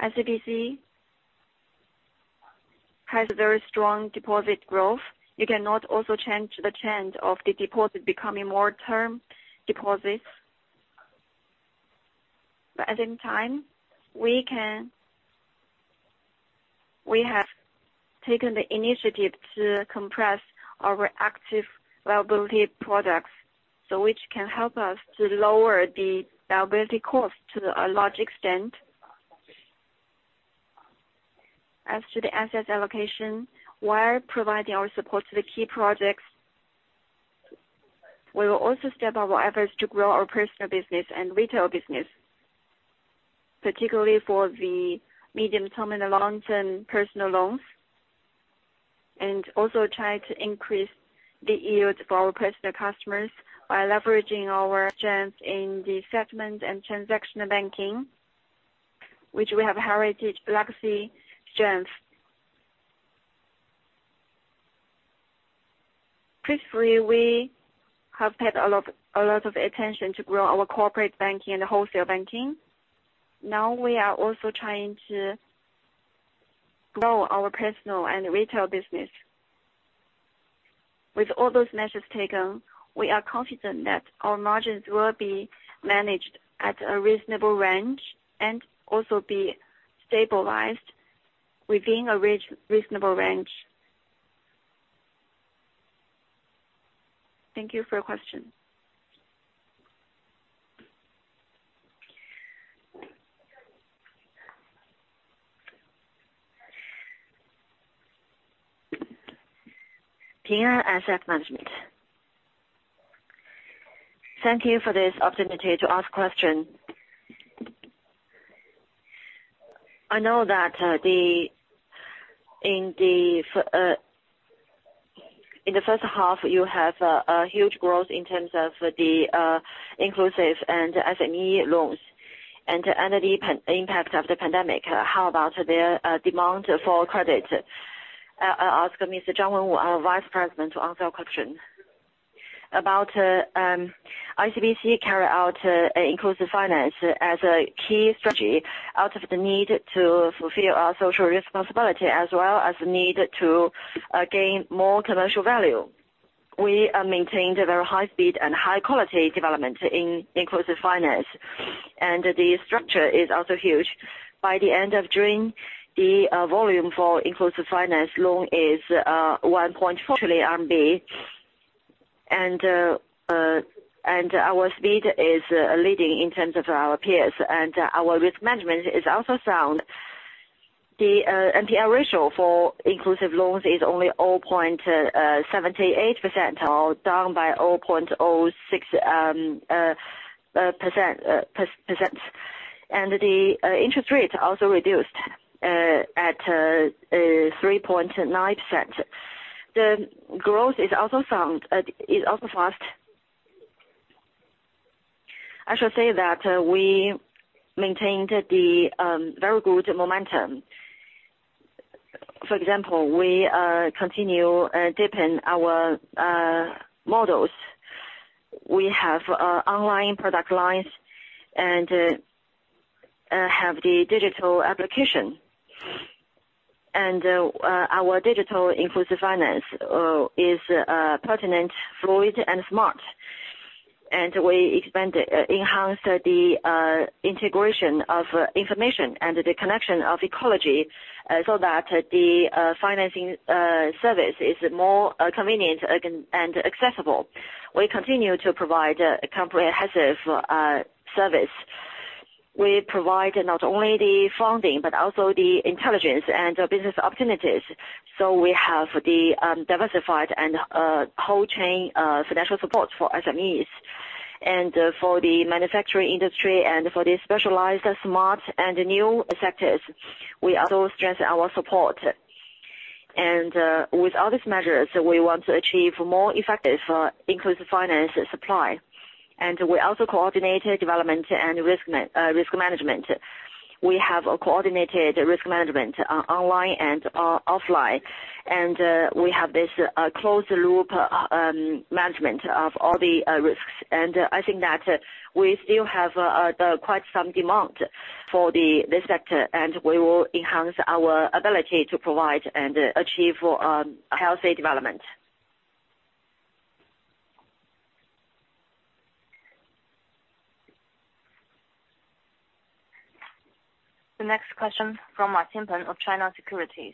Speaker 1: ICBC has a very strong deposit growth. We cannot also change the trend of the deposit becoming more term deposits. At the same time, we can. We have taken the initiative to compress our active liability products, so which can help us to lower the liability cost to a large extent. As to the asset allocation, while providing our support to the key projects, we will also step up our efforts to grow our personal business and retail business, particularly for the medium-term and the loans and personal loans. Also try to increase the yield for our personal customers by leveraging our strength in the settlement and transactional banking, which we have heritage legacy strength. Previously, we have paid a lot of attention to grow our corporate banking and wholesale banking. Now we are also trying to grow our personal and retail business. With all those measures taken, we are confident that our margins will be managed at a reasonable range and also be stabilized within a reasonable range. Thank you for your question. Pia Asset Management. Thank you for this opportunity to ask question. I know that in the first half, you have a huge growth in terms of the inclusive and SME loans and under the pandemic impact of the pandemic, how about their demand for credit? I'll ask Mr. Zhang Wenwu, our Vice President, to answer your question. About ICBC carry out inclusive finance as a key strategy out of the need to fulfill our social responsibility, as well as the need to gain more commercial value. We maintained a very high speed and high quality development in inclusive finance, and the structure is also huge. By the end of June, the volume for inclusive finance loan is 1.7 trillion RMB. Our speed is leading in terms of our peers. Our risk management is also sound. The NPL ratio for inclusive loans is only 0.78% or down by 0.06 percentage points. The interest rate also reduced to 3.9%. The growth is also sound, is also fast. I should say that we maintained the very good momentum. For example, we continue to deepen our models. We have online product lines and have the digital application. Our digital inclusive finance is pertinent, fluid and smart. We expand and enhance the integration of information and the connection of ecology, so that the financing service is more convenient and accessible. We continue to provide comprehensive service. We provide not only the funding but also the intelligence and the business opportunities. We have diversified and whole chain financial support for SMEs. For the manufacturing industry and for the specialized, smart and new sectors, we also stress our support. With all these measures, we want to achieve more effective inclusive finance supply. We also coordinated development and risk management. We have coordinated risk management online and offline, and we have this closed loop management of all the risks. I think that we still have quite some demand for the sector, and we will enhance our ability to provide and achieve healthy development. The next question from Martin Pan of China Securities.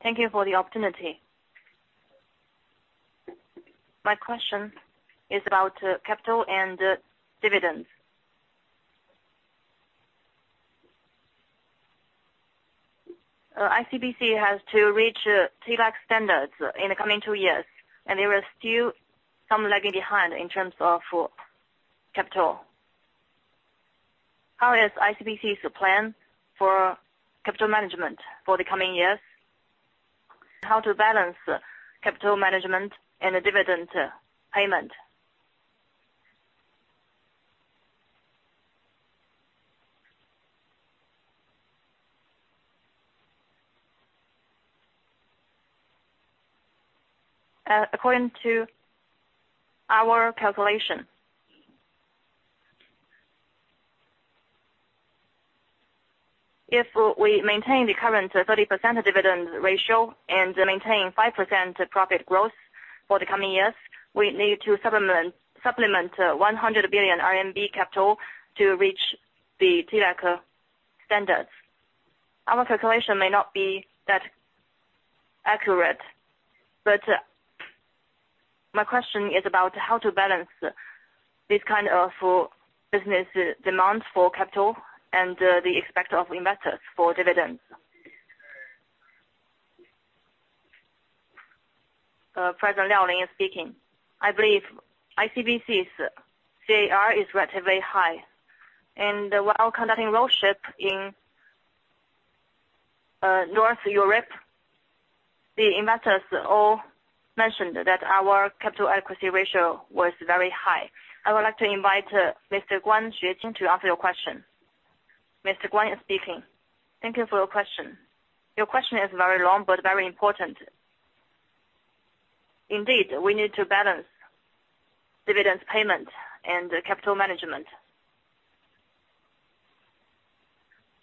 Speaker 1: Thank you for the opportunity. My question is about capital and dividends. ICBC has to reach TLAC standards in the coming two years, and there is still some lagging behind in terms of capital. How is ICBC's plan for capital management for the coming years? How to balance capital management and the dividend payment? According to our calculation, if we maintain the current 30% dividend ratio and maintain 5% profit growth for the coming years, we need to supplement 100 billion RMB capital to reach the TLAC standards. Our calculation may not be that accurate, but my question is about how to balance this kind of business demand for capital and the expectation of investors for dividends. President Liao Lin speaking. I believe ICBC's CAR is relatively high, and while conducting roadshow in North Europe, the investors all mentioned that our capital adequacy ratio was very high. I would like to invite Mr. Guan Xueqing to answer your question. Mr. Guan Xueqing speaking. Thank you for your question. Your question is very long, but very important. Indeed, we need to balance dividends payment and capital management.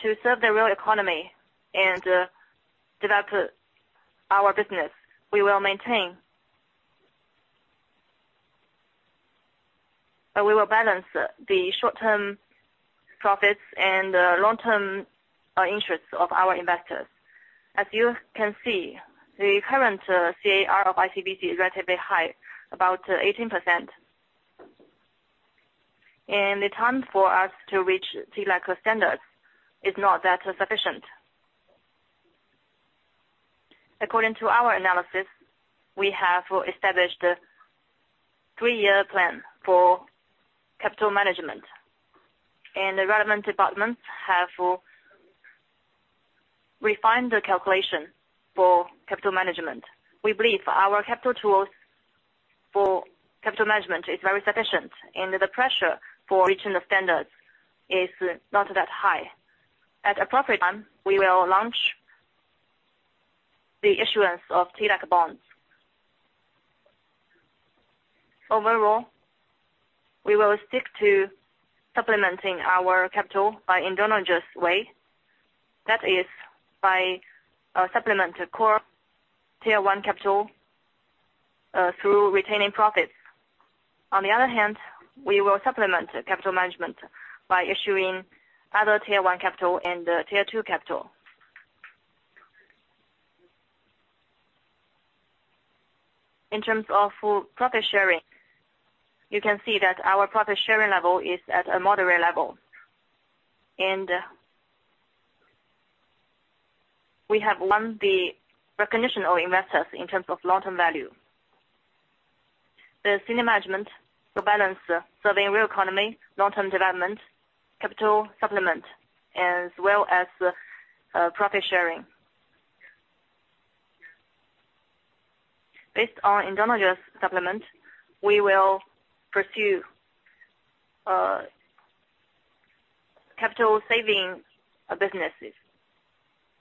Speaker 1: To serve the real economy and develop our business. We will balance the short-term profits and long-term interests of our investors. As you can see, the current CAR of ICBC is relatively high, about 18%. The time for us to reach TLAC standards is not that sufficient. According to our analysis, we have established a three-year plan for capital management, and the relevant departments have refined the calculation for capital management. We believe our capital tools for capital management is very sufficient, and the pressure for reaching the standards is not that high. At appropriate time, we will launch the issuance of TLAC bonds. Overall, we will stick to supplementing our capital by endogenous way, that is, supplementing core Tier 1 capital through retaining profits. On the other hand, we will supplement capital management by issuing other Tier 1 capital and Tier 2 capital. In terms of profit sharing, you can see that our profit sharing level is at a moderate level, and we have won the recognition of investors in terms of long-term value. The senior management will balance serving real economy, long-term development, capital supplement as well as profit sharing. Based on endogenous supplement, we will pursue capital saving businesses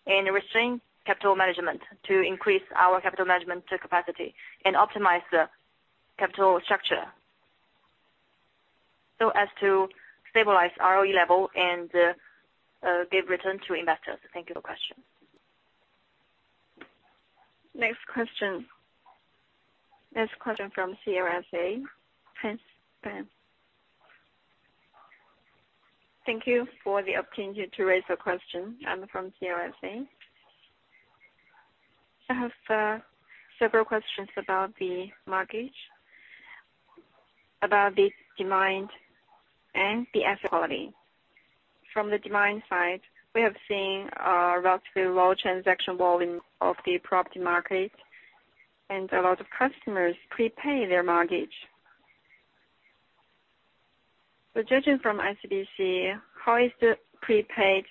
Speaker 1: and restrain capital management to increase our capital management capacity and optimize the capital structure so as to stabilize ROE level and give return to investors. Thank you for your question. Next question. Next question from CLSA. Thank you for the opportunity to raise a question. I'm from CLSA. I have several questions about the mortgage, about the demand and the asset quality. From the demand side, we have seen a relatively low transaction volume of the property market, and a lot of customers prepay their mortgage. Judging from ICBC, how is the prepaid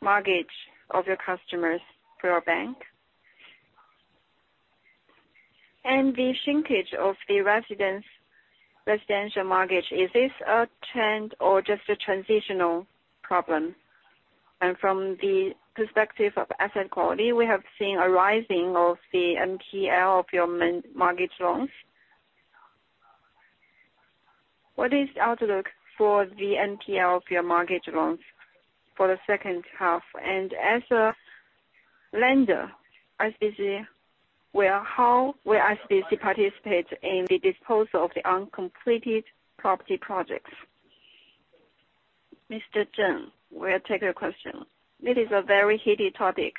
Speaker 1: mortgage of your customers for your bank? The shrinkage of the residential mortgage, is this a trend or just a transitional problem? From the perspective of asset quality, we have seen a rising of the NPL of your mortgage loans. What is the outlook for the NPL of your mortgage loans for the second half? As a lender, ICBC, how will ICBC participate in the disposal of the uncompleted property projects? Mr. Cheng will take your question. It is a very heated topic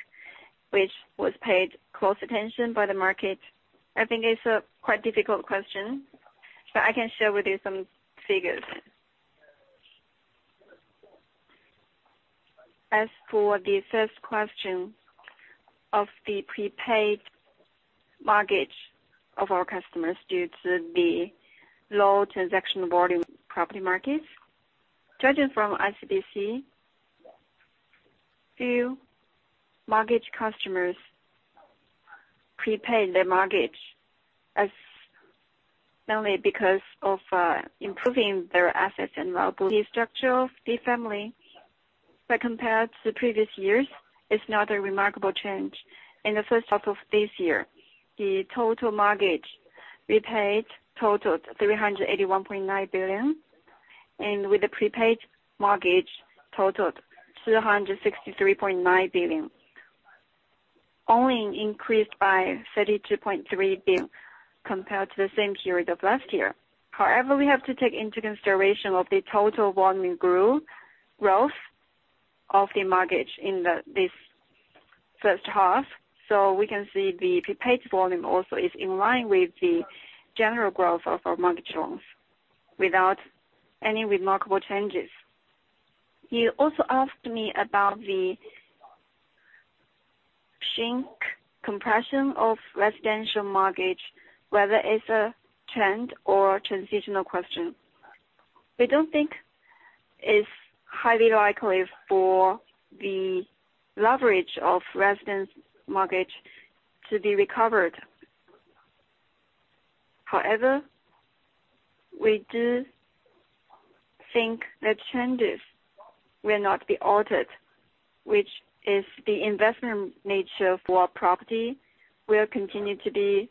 Speaker 1: which was paid close attention by the market. I think it's a quite difficult question, but I can share with you some figures. As for the first question of the prepaid mortgage of our customers due to the low transaction volume property markets, judging from ICBC, few mortgage customers prepay their mortgage mainly because of improving their assets and liability structure of the family, but compared to previous years, it's not a remarkable change. In the first half of this year, the total mortgage repaid totaled 381.9 billion, and with the prepaid mortgage totaled 363.9 billion. Only increased by 32.3 billion compared to the same period of last year. However, we have to take into consideration of the total volume growth of the mortgage in the first half, so we can see the prepaid volume also is in line with the general growth of our mortgage loans without any remarkable changes. You also asked me about the compression of residential mortgage, whether it's a trend or transitional question. We don't think it's highly likely for the leverage of residential mortgage to be recovered. However, we do think the trend will not be altered, which is the investment nature for property will continue to be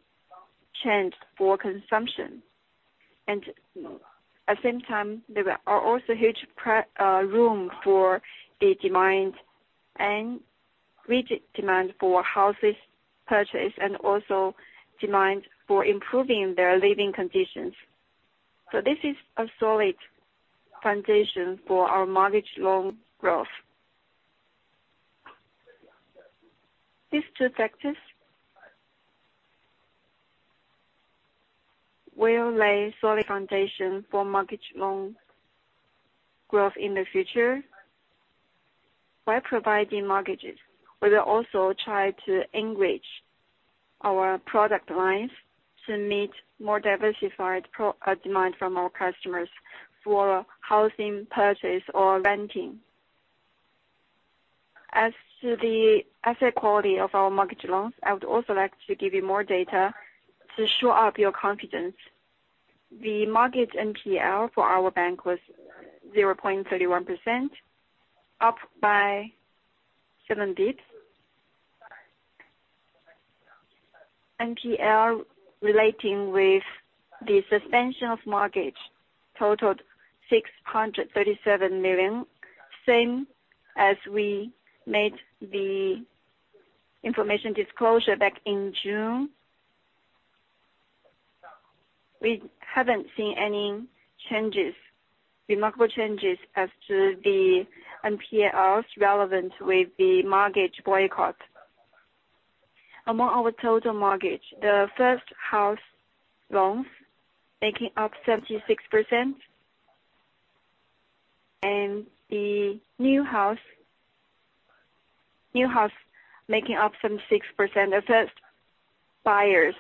Speaker 1: trend for consumption. At the same time, there are also huge room for the demand and rigid demand for house purchase and also demand for improving their living conditions. This is a solid foundation for our mortgage loan growth. These two factors will lay solid foundation for mortgage loan growth in the future. By providing mortgages, we will also try to enrich our product lines to meet more diversified product demand from our customers for housing purchase or renting. As to the asset quality of our mortgage loans, I would also like to give you more data to show up your confidence. The mortgage NPL for our bank was 0.31%, up by seven basis points. NPL relating with the suspension of mortgage totaled 637 million, same as we made the information disclosure back in June. We haven't seen any changes, remarkable changes as to the NPLs relevant with the mortgage boycott. Among our total mortgage, the first house loans making up 76% and the new house making up some 6%. The first-time buyers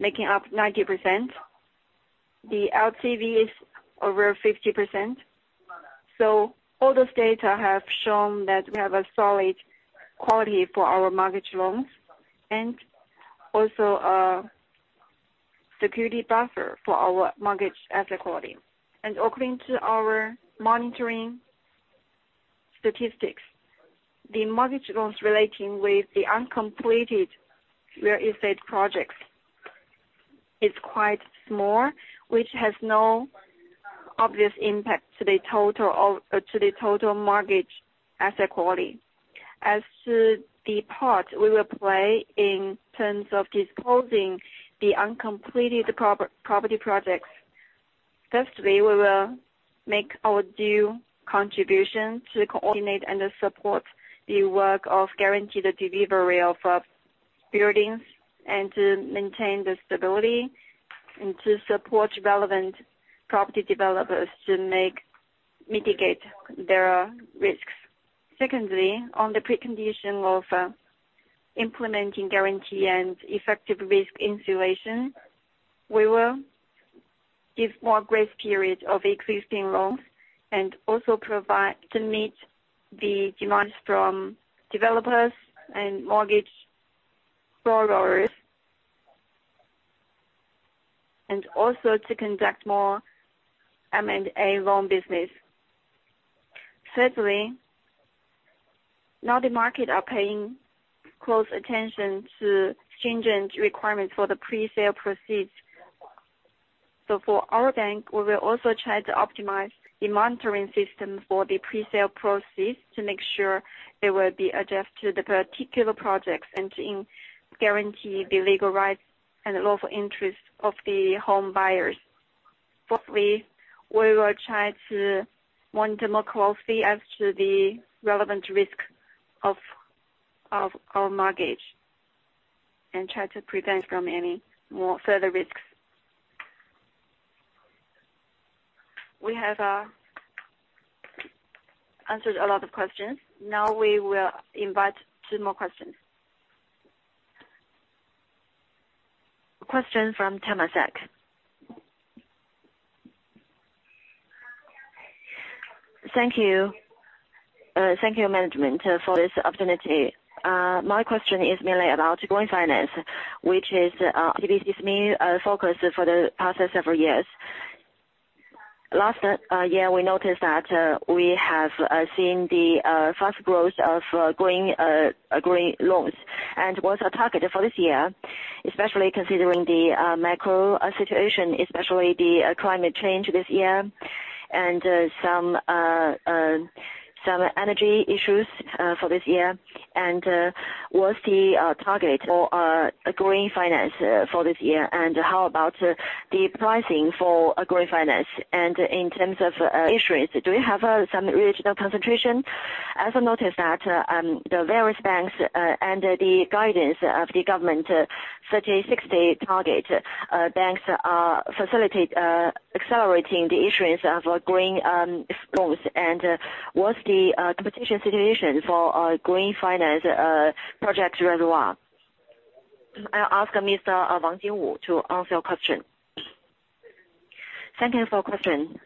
Speaker 1: making up 90%. The LTV is over 50%. All those data have shown that we have a solid quality for our mortgage loans and also a security buffer for our mortgage asset quality. According to our monitoring statistics, the mortgage loans relating with the uncompleted real estate projects is quite small, which has no obvious impact to the total mortgage asset quality. As to the part we will play in terms of disposing the uncompleted property projects. Firstly, we will make our due contribution to coordinate and support the work to guarantee the delivery of buildings and to maintain the stability and to support relevant property developers to mitigate their risks. Secondly, on the precondition of implementing guarantee and effective risk insulation, we will give more grace period of existing loans and also provide to meet the demands from developers and mortgage borrowers. also to conduct more M&A loan business. Thirdly, now the market are paying close attention to change in requirements for the presale proceeds. for our bank, we will also try to optimize the monitoring system for the presale proceeds to make sure they will be adjusted to the particular projects and to guarantee the legal rights and lawful interest of the home buyers. Fourthly, we will try to monitor more closely as to the relevant risk of our mortgage and try to prevent from any more further risks. We have answered a lot of questions. Now we will invite two more questions. Question from Temasek. Thank you. Thank you management for this opportunity. My question is mainly about green finance, which is ICBC's main focus for the past several years. We noticed that we have seen the fast growth of green loans. What's our target for this year, especially considering the macro situation, especially the climate change this year and some energy issues for this year. What's the target for green finance for this year? How about the pricing for green finance? In terms of insurance, do you have some regional concentration? I also noticed that the various banks under the guidance of the government 3060 target are accelerating the issuance of green loans. What's the competition situation for green finance project reservoir? I'll ask Mr. Wang Jingwu to answer your question. Thank you for your question.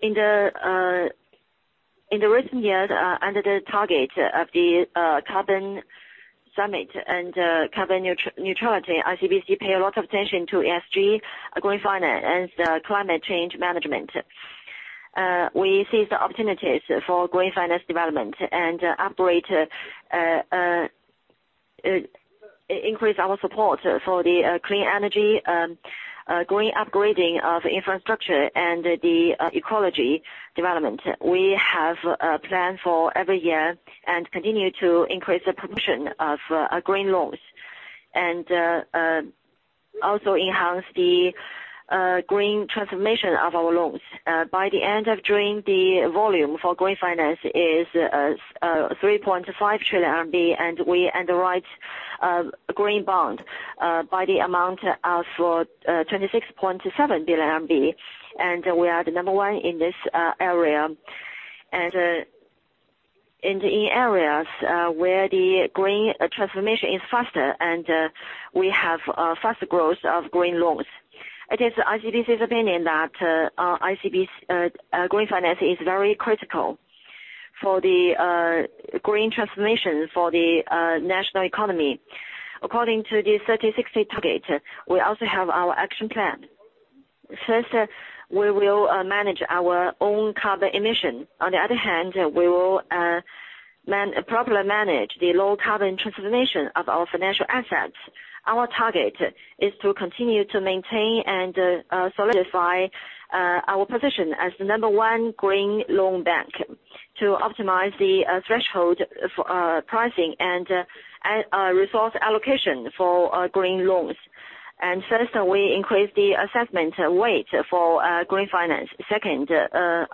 Speaker 1: In the recent years, under the target of the carbon peak and carbon neutrality, ICBC pays a lot of attention to ESG, green finance and climate change management. We see the opportunities for green finance development and operate increase our support for the clean energy, green upgrading of infrastructure and the ecology development. We have a plan for every year and continue to increase the proportion of green loans and also enhance the green transformation of our loans. By the end of June, the volume for green finance is 3.5 trillion RMB, and we underwrite green bond by the amount of 26.7 billion RMB. We are the number one in this area. In the areas where the green transformation is faster, and we have faster growth of green loans. It is ICBC's opinion that our green finance is very critical for the green transformation for the national economy. According to the 3060 target, we also have our action plan. First, we will manage our own carbon emission. On the other hand, we will properly manage the low carbon transformation of our financial assets. Our target is to continue to maintain and solidify our position as the number one green loan bank to optimize the threshold pricing and resource allocation for green loans. First, we increase the assessment weight for green finance. Second,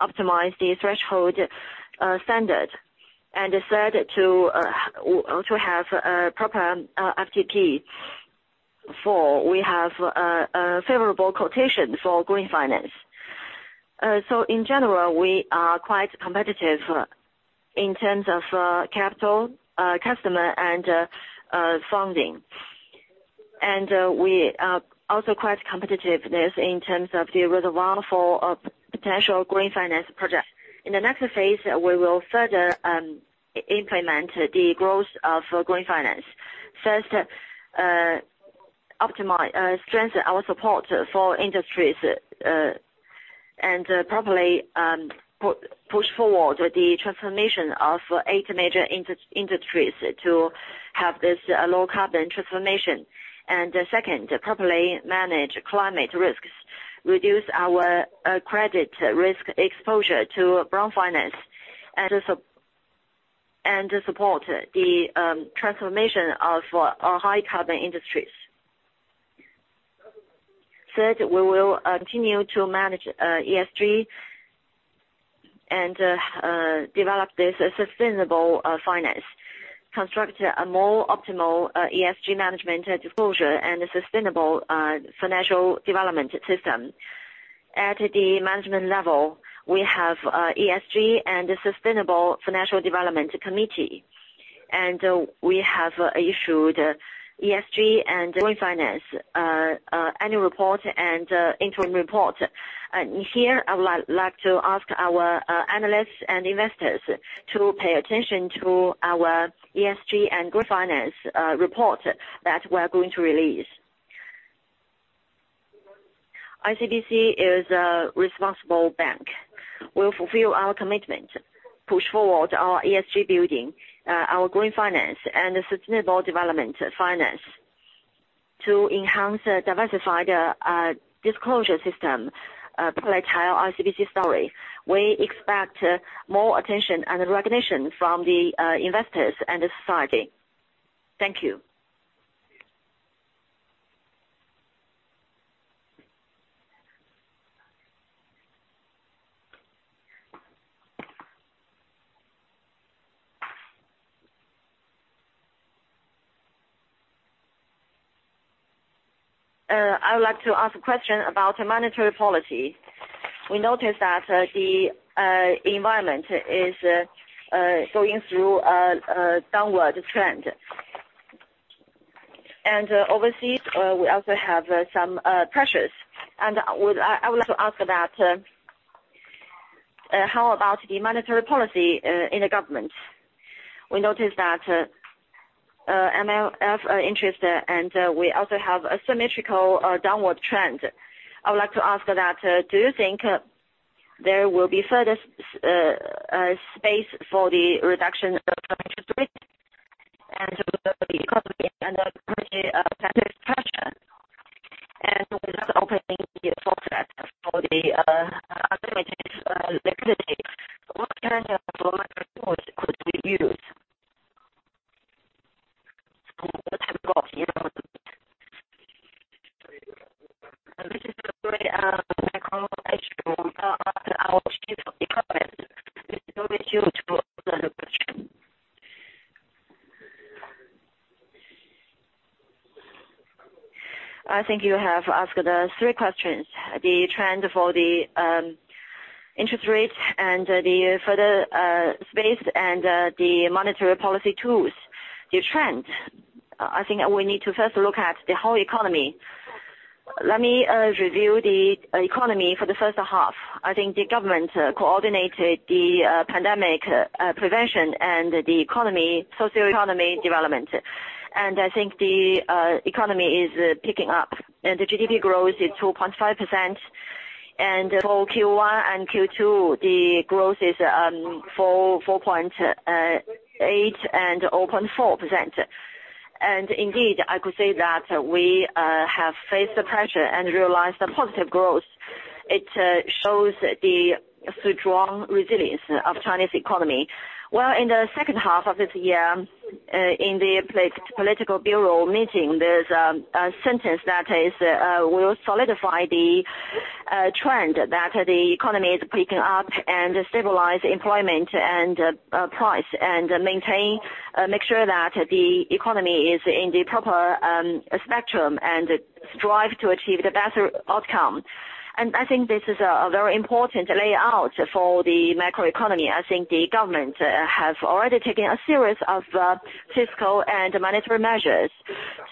Speaker 1: optimize the threshold standard. Third, we also have proper FTP. Fourth, we have favorable quotation for green finance. In general, we are quite competitive in terms of capital, customer, and funding. We are also quite competitive in terms of the resources for a potential green finance project. In the next phase, we will further implement the growth of green finance. First, optimize, strengthen our support for industries, and properly push forward the transformation of eight major industries to have this low carbon transformation. Second, properly manage climate risks, reduce our credit risk exposure to brown finance, and support the transformation of our high carbon industries. Third, we will continue to manage ESG and develop this sustainable finance, construct a more optimal ESG management disclosure and a sustainable financial development system. At the management level, we have ESG and the Sustainable Financial Development Committee, and we have issued ESG and green finance annual report and interim report. Here, I would like to ask our analysts and investors to pay attention to our ESG and green finance report that we're going to release. ICBC is a responsible bank. We'll fulfill our commitment, push forward our ESG building, our green finance and sustainable development finance to enhance a diversified disclosure system, tell ICBC story. We expect more attention and recognition from the investors and the society. Thank you. I would like to ask a question about monetary policy. We noticed that the environment is going through a downward trend. Overseas, we also have some pressures. I would like to ask how about the monetary policy in the government. We noticed that MLF interest and we also have a symmetrical downward trend. I would like to ask, do you think there will be further space for the reduction of interest rates and the economy under pretty better pressure? Without opening the faucet for the unlimited liquidity, what kind of macro tools could be used? I think you have asked three questions, the trend for the interest rates and the further space and the monetary policy tools. The trend, I think we need to first look at the whole economy. Let me review the economy for the first half. I think the government coordinated the pandemic prevention and economic and social development. I think the economy is picking up and the GDP growth is 2.5%. For Q1 and Q2, the growth is 4.8% and 0.4%. Indeed, I could say that we have faced the pressure and realized the positive growth. It shows the strong resilience of the Chinese economy. Well, in the second half of this year, in the political bureau meeting, there's a sentence that is, we'll solidify the trend that the economy is picking up and stabilize employment and price and make sure that the economy is in the proper spectrum and strive to achieve the better outcome. I think this is a very important layout for the macro economy. I think the government have already taken a series of fiscal and monetary measures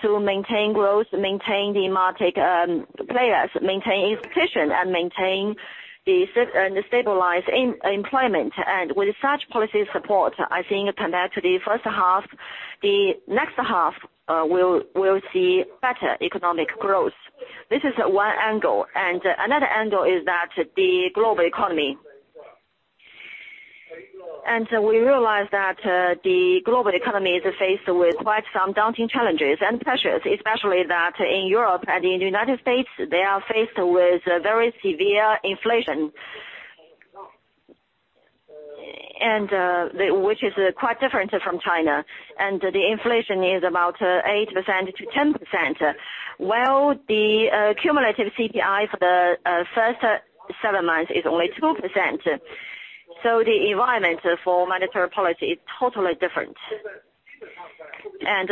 Speaker 1: to maintain growth, maintain the market players, maintain institution, and stabilize employment. With such policy support, I think compared to the first half, the next half, we'll see better economic growth. This is one angle. Another angle is that the global economy. We realize that the global economy is faced with quite some daunting challenges and pressures, especially that in Europe and in the United States, they are faced with very severe inflation. Which is quite different from China. The inflation is about 8%-10%, while the cumulative CPI for the first seven months is only 2%. The environment for monetary policy is totally different.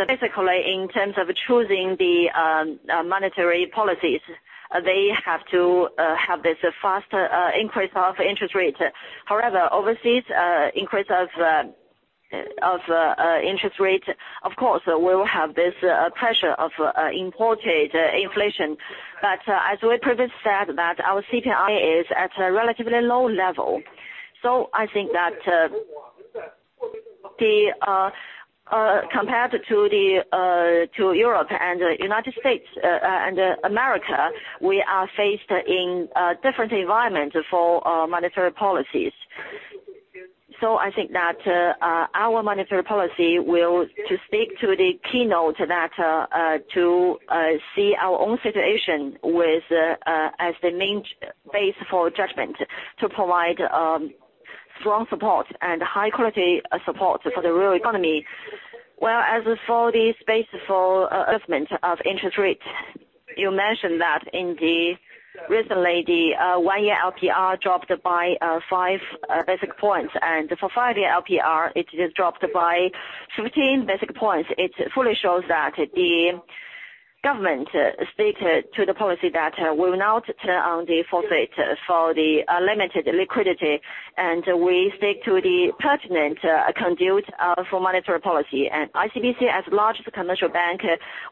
Speaker 1: Basically, in terms of choosing the monetary policies, they have to have this fast increase of interest rates. However, overseas increase of interest rate, of course, we will have this pressure of imported inflation. As we previously said that our CPI is at a relatively low level. I think that, compared to Europe and United States, and America, we are faced with a different environment for monetary policies. I think that our monetary policy will stick to the keynote that is to see our own situation as the main base for judgment to provide strong support and high quality support for the real economy, whereas for the space for adjustment of interest rates. You mentioned that recently, the one-year LPR dropped by five basis points, and for five-year LPR, it just dropped by 13 basis points. It fully shows that the government sticks to the policy that will not turn on the faucet for the limited liquidity, and we stick to the prudent conduct for monetary policy. ICBC, as large commercial bank,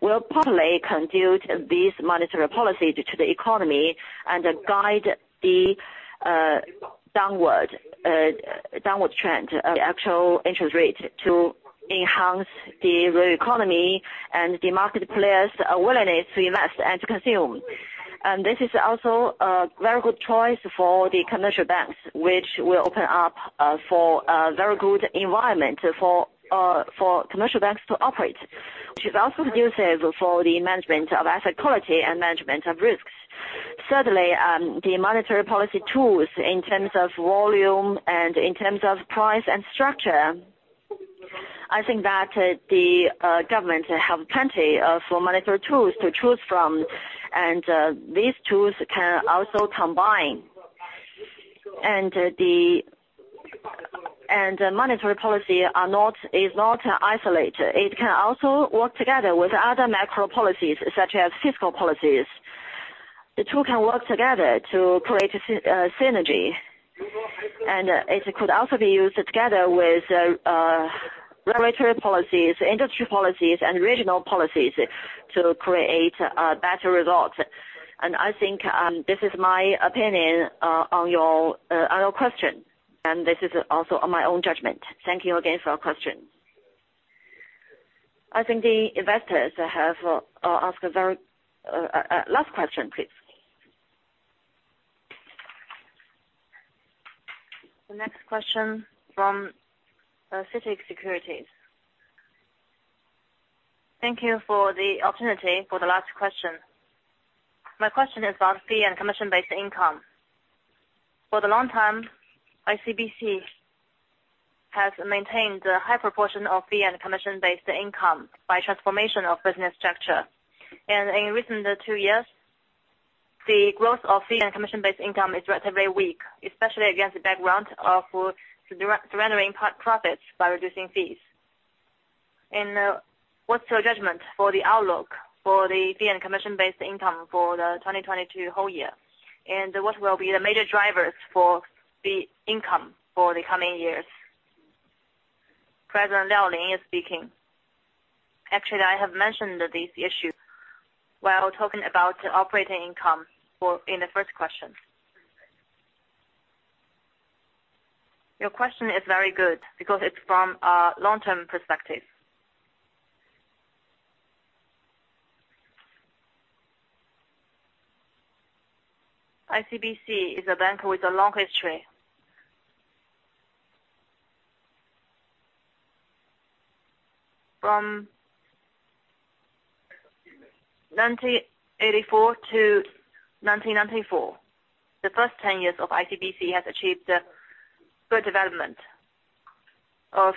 Speaker 1: will partly conduit this monetary policy to the economy and guide the downward trend of the actual interest rate to enhance the real economy and the market players' willingness to invest and consume. This is also a very good choice for the commercial banks, which will open up for a very good environment for commercial banks to operate. Which is also conducive for the management of asset quality and management of risks. Certainly, the monetary policy tools in terms of volume and in terms of price and structure, I think that the government have plenty for monetary tools to choose from. These tools can also combine. Monetary policy is not isolated. It can also work together with other macro policies such as fiscal policies. The two can work together to create synergy. It could also be used together with regulatory policies, industry policies and regional policies to create better results. I think this is my opinion on your question, and this is also on my own judgment. Thank you again for your question. I think the investors have asked a very last question, please. The next question from CITIC Securities. Thank you for the opportunity for the last question. My question is on fee and commission-based income. For a long time, ICBC has maintained a high proportion of fee and commission-based income by transformation of business structure. In recent two years, the growth of fee and commission-based income is relatively weak, especially against the background of surrendering profits by reducing fees. What's your judgment for the outlook for the fee and commission-based income for the 2022 whole year? What will be the major drivers for the income for the coming years? Actually, I have mentioned these issues while talking about operating income in the first question. Your question is very good because it's from a long-term perspective. ICBC is a bank with a long history. From 1984 to 1994, the first 10 years of ICBC has achieved good development of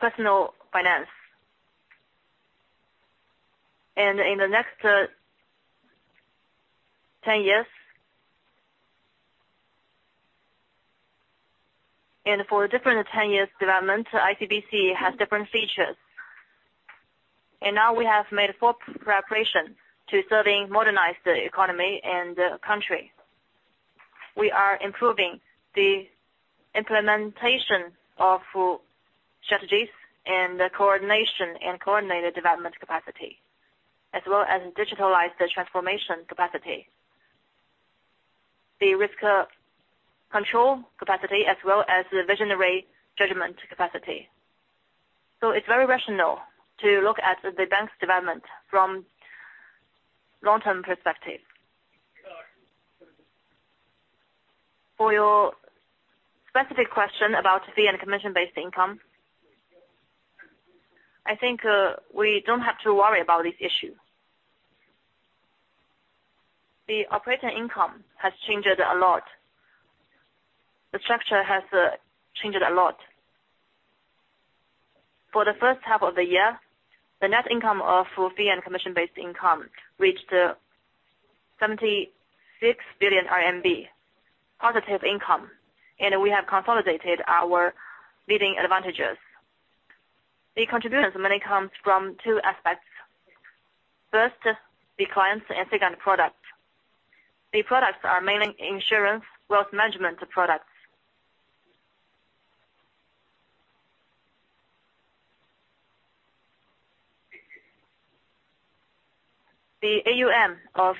Speaker 1: personal finance. In the next 10 years for a different 10 years development, ICBC has different features. Now we have made full preparation to serving modernized economy and the country. We are improving the implementation of strategies and the coordination and coordinated development capacity, as well as digital transformation capacity, the risk control capacity, as well as the visionary judgment capacity. It's very rational to look at the bank's development from long-term perspective. For your specific question about fees and commission-based income, I think we don't have to worry about this issue. The operating income has changed a lot. The structure has changed a lot. For the first half of the year, the net income of fee and commission-based income reached 76 billion RMB positive income, and we have consolidated our leading advantages. The contributions mainly comes from two aspects. First, the clients, and second, products. The products are mainly insurance, wealth management products. The AUM of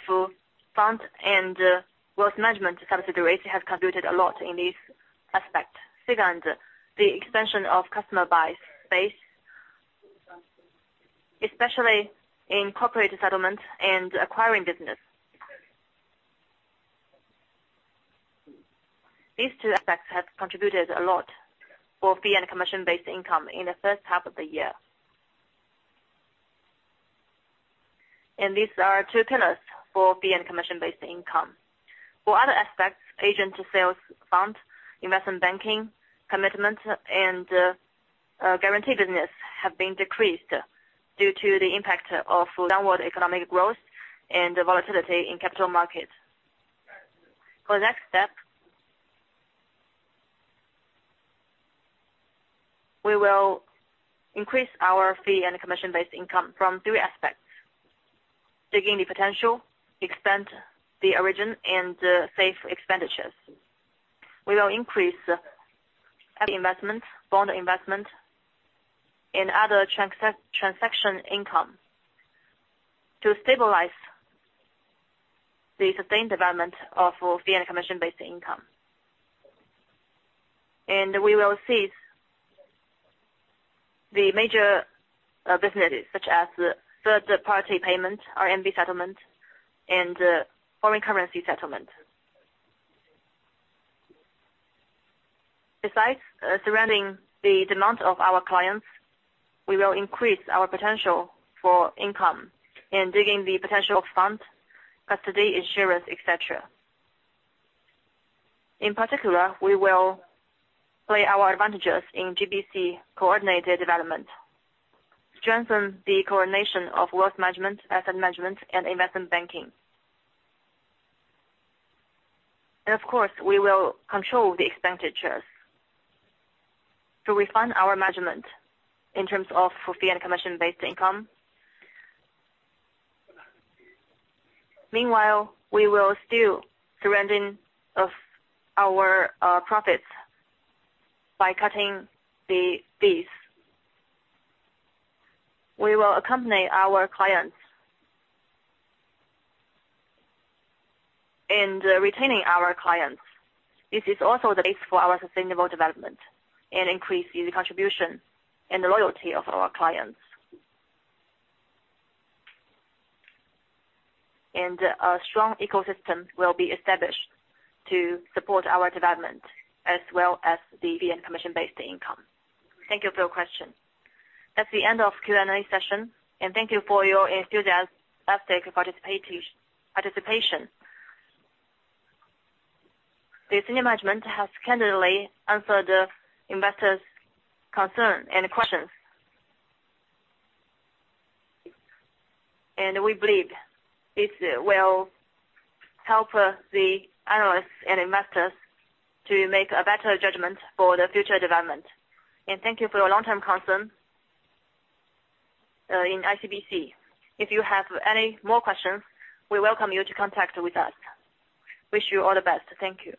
Speaker 1: fund and wealth management subsidiary have contributed a lot in this aspect. Second, the expansion of customer base, especially in corporate settlement and acquiring business. These two aspects have contributed a lot for fee and commission-based income in the first half of the year. These are two pillars for fee and commission-based income. For other aspects, agent to sales fund, investment banking, commitment and guaranteed business have been decreased due to the impact of downward economic growth and the volatility in capital markets. For the next step, we will increase our fee and commission-based income from three aspects: digging the potential, expand the sources and save expenditures. We will increase investment, bond investment and other transaction income to stabilize the sustained development of fee and commission-based income. We will seize the major businesses such as third-party payments, RMB settlement, and foreign currency settlement. Besides surrounding the demand of our clients, we will increase our potential for income in digging the potential fund, custody insurance, et cetera. In particular, we will play our advantages in GBC coordinated development, strengthen the coordination of wealth management, asset management, and investment banking. Of course, we will control the expenditures to refine our management in terms of fee and commission-based income. Meanwhile, we will still surrender our profits by cutting the fees. We will accompany our clients and retaining our clients. This is also the base for our sustainable development and increase the contribution and the loyalty of our clients. A strong ecosystem will be established to support our development as well as the fee and commission-based income. Thank you for your question. That's the end of Q&A session, and thank you for your enthusiastic participation. The senior management has candidly answered the investors' concern and questions. We believe this will help the analysts and investors to make a better judgment for the future development. Thank you for your long-term concern in ICBC. If you have any more questions, we welcome you to contact with us. Wish you all the best. Thank you.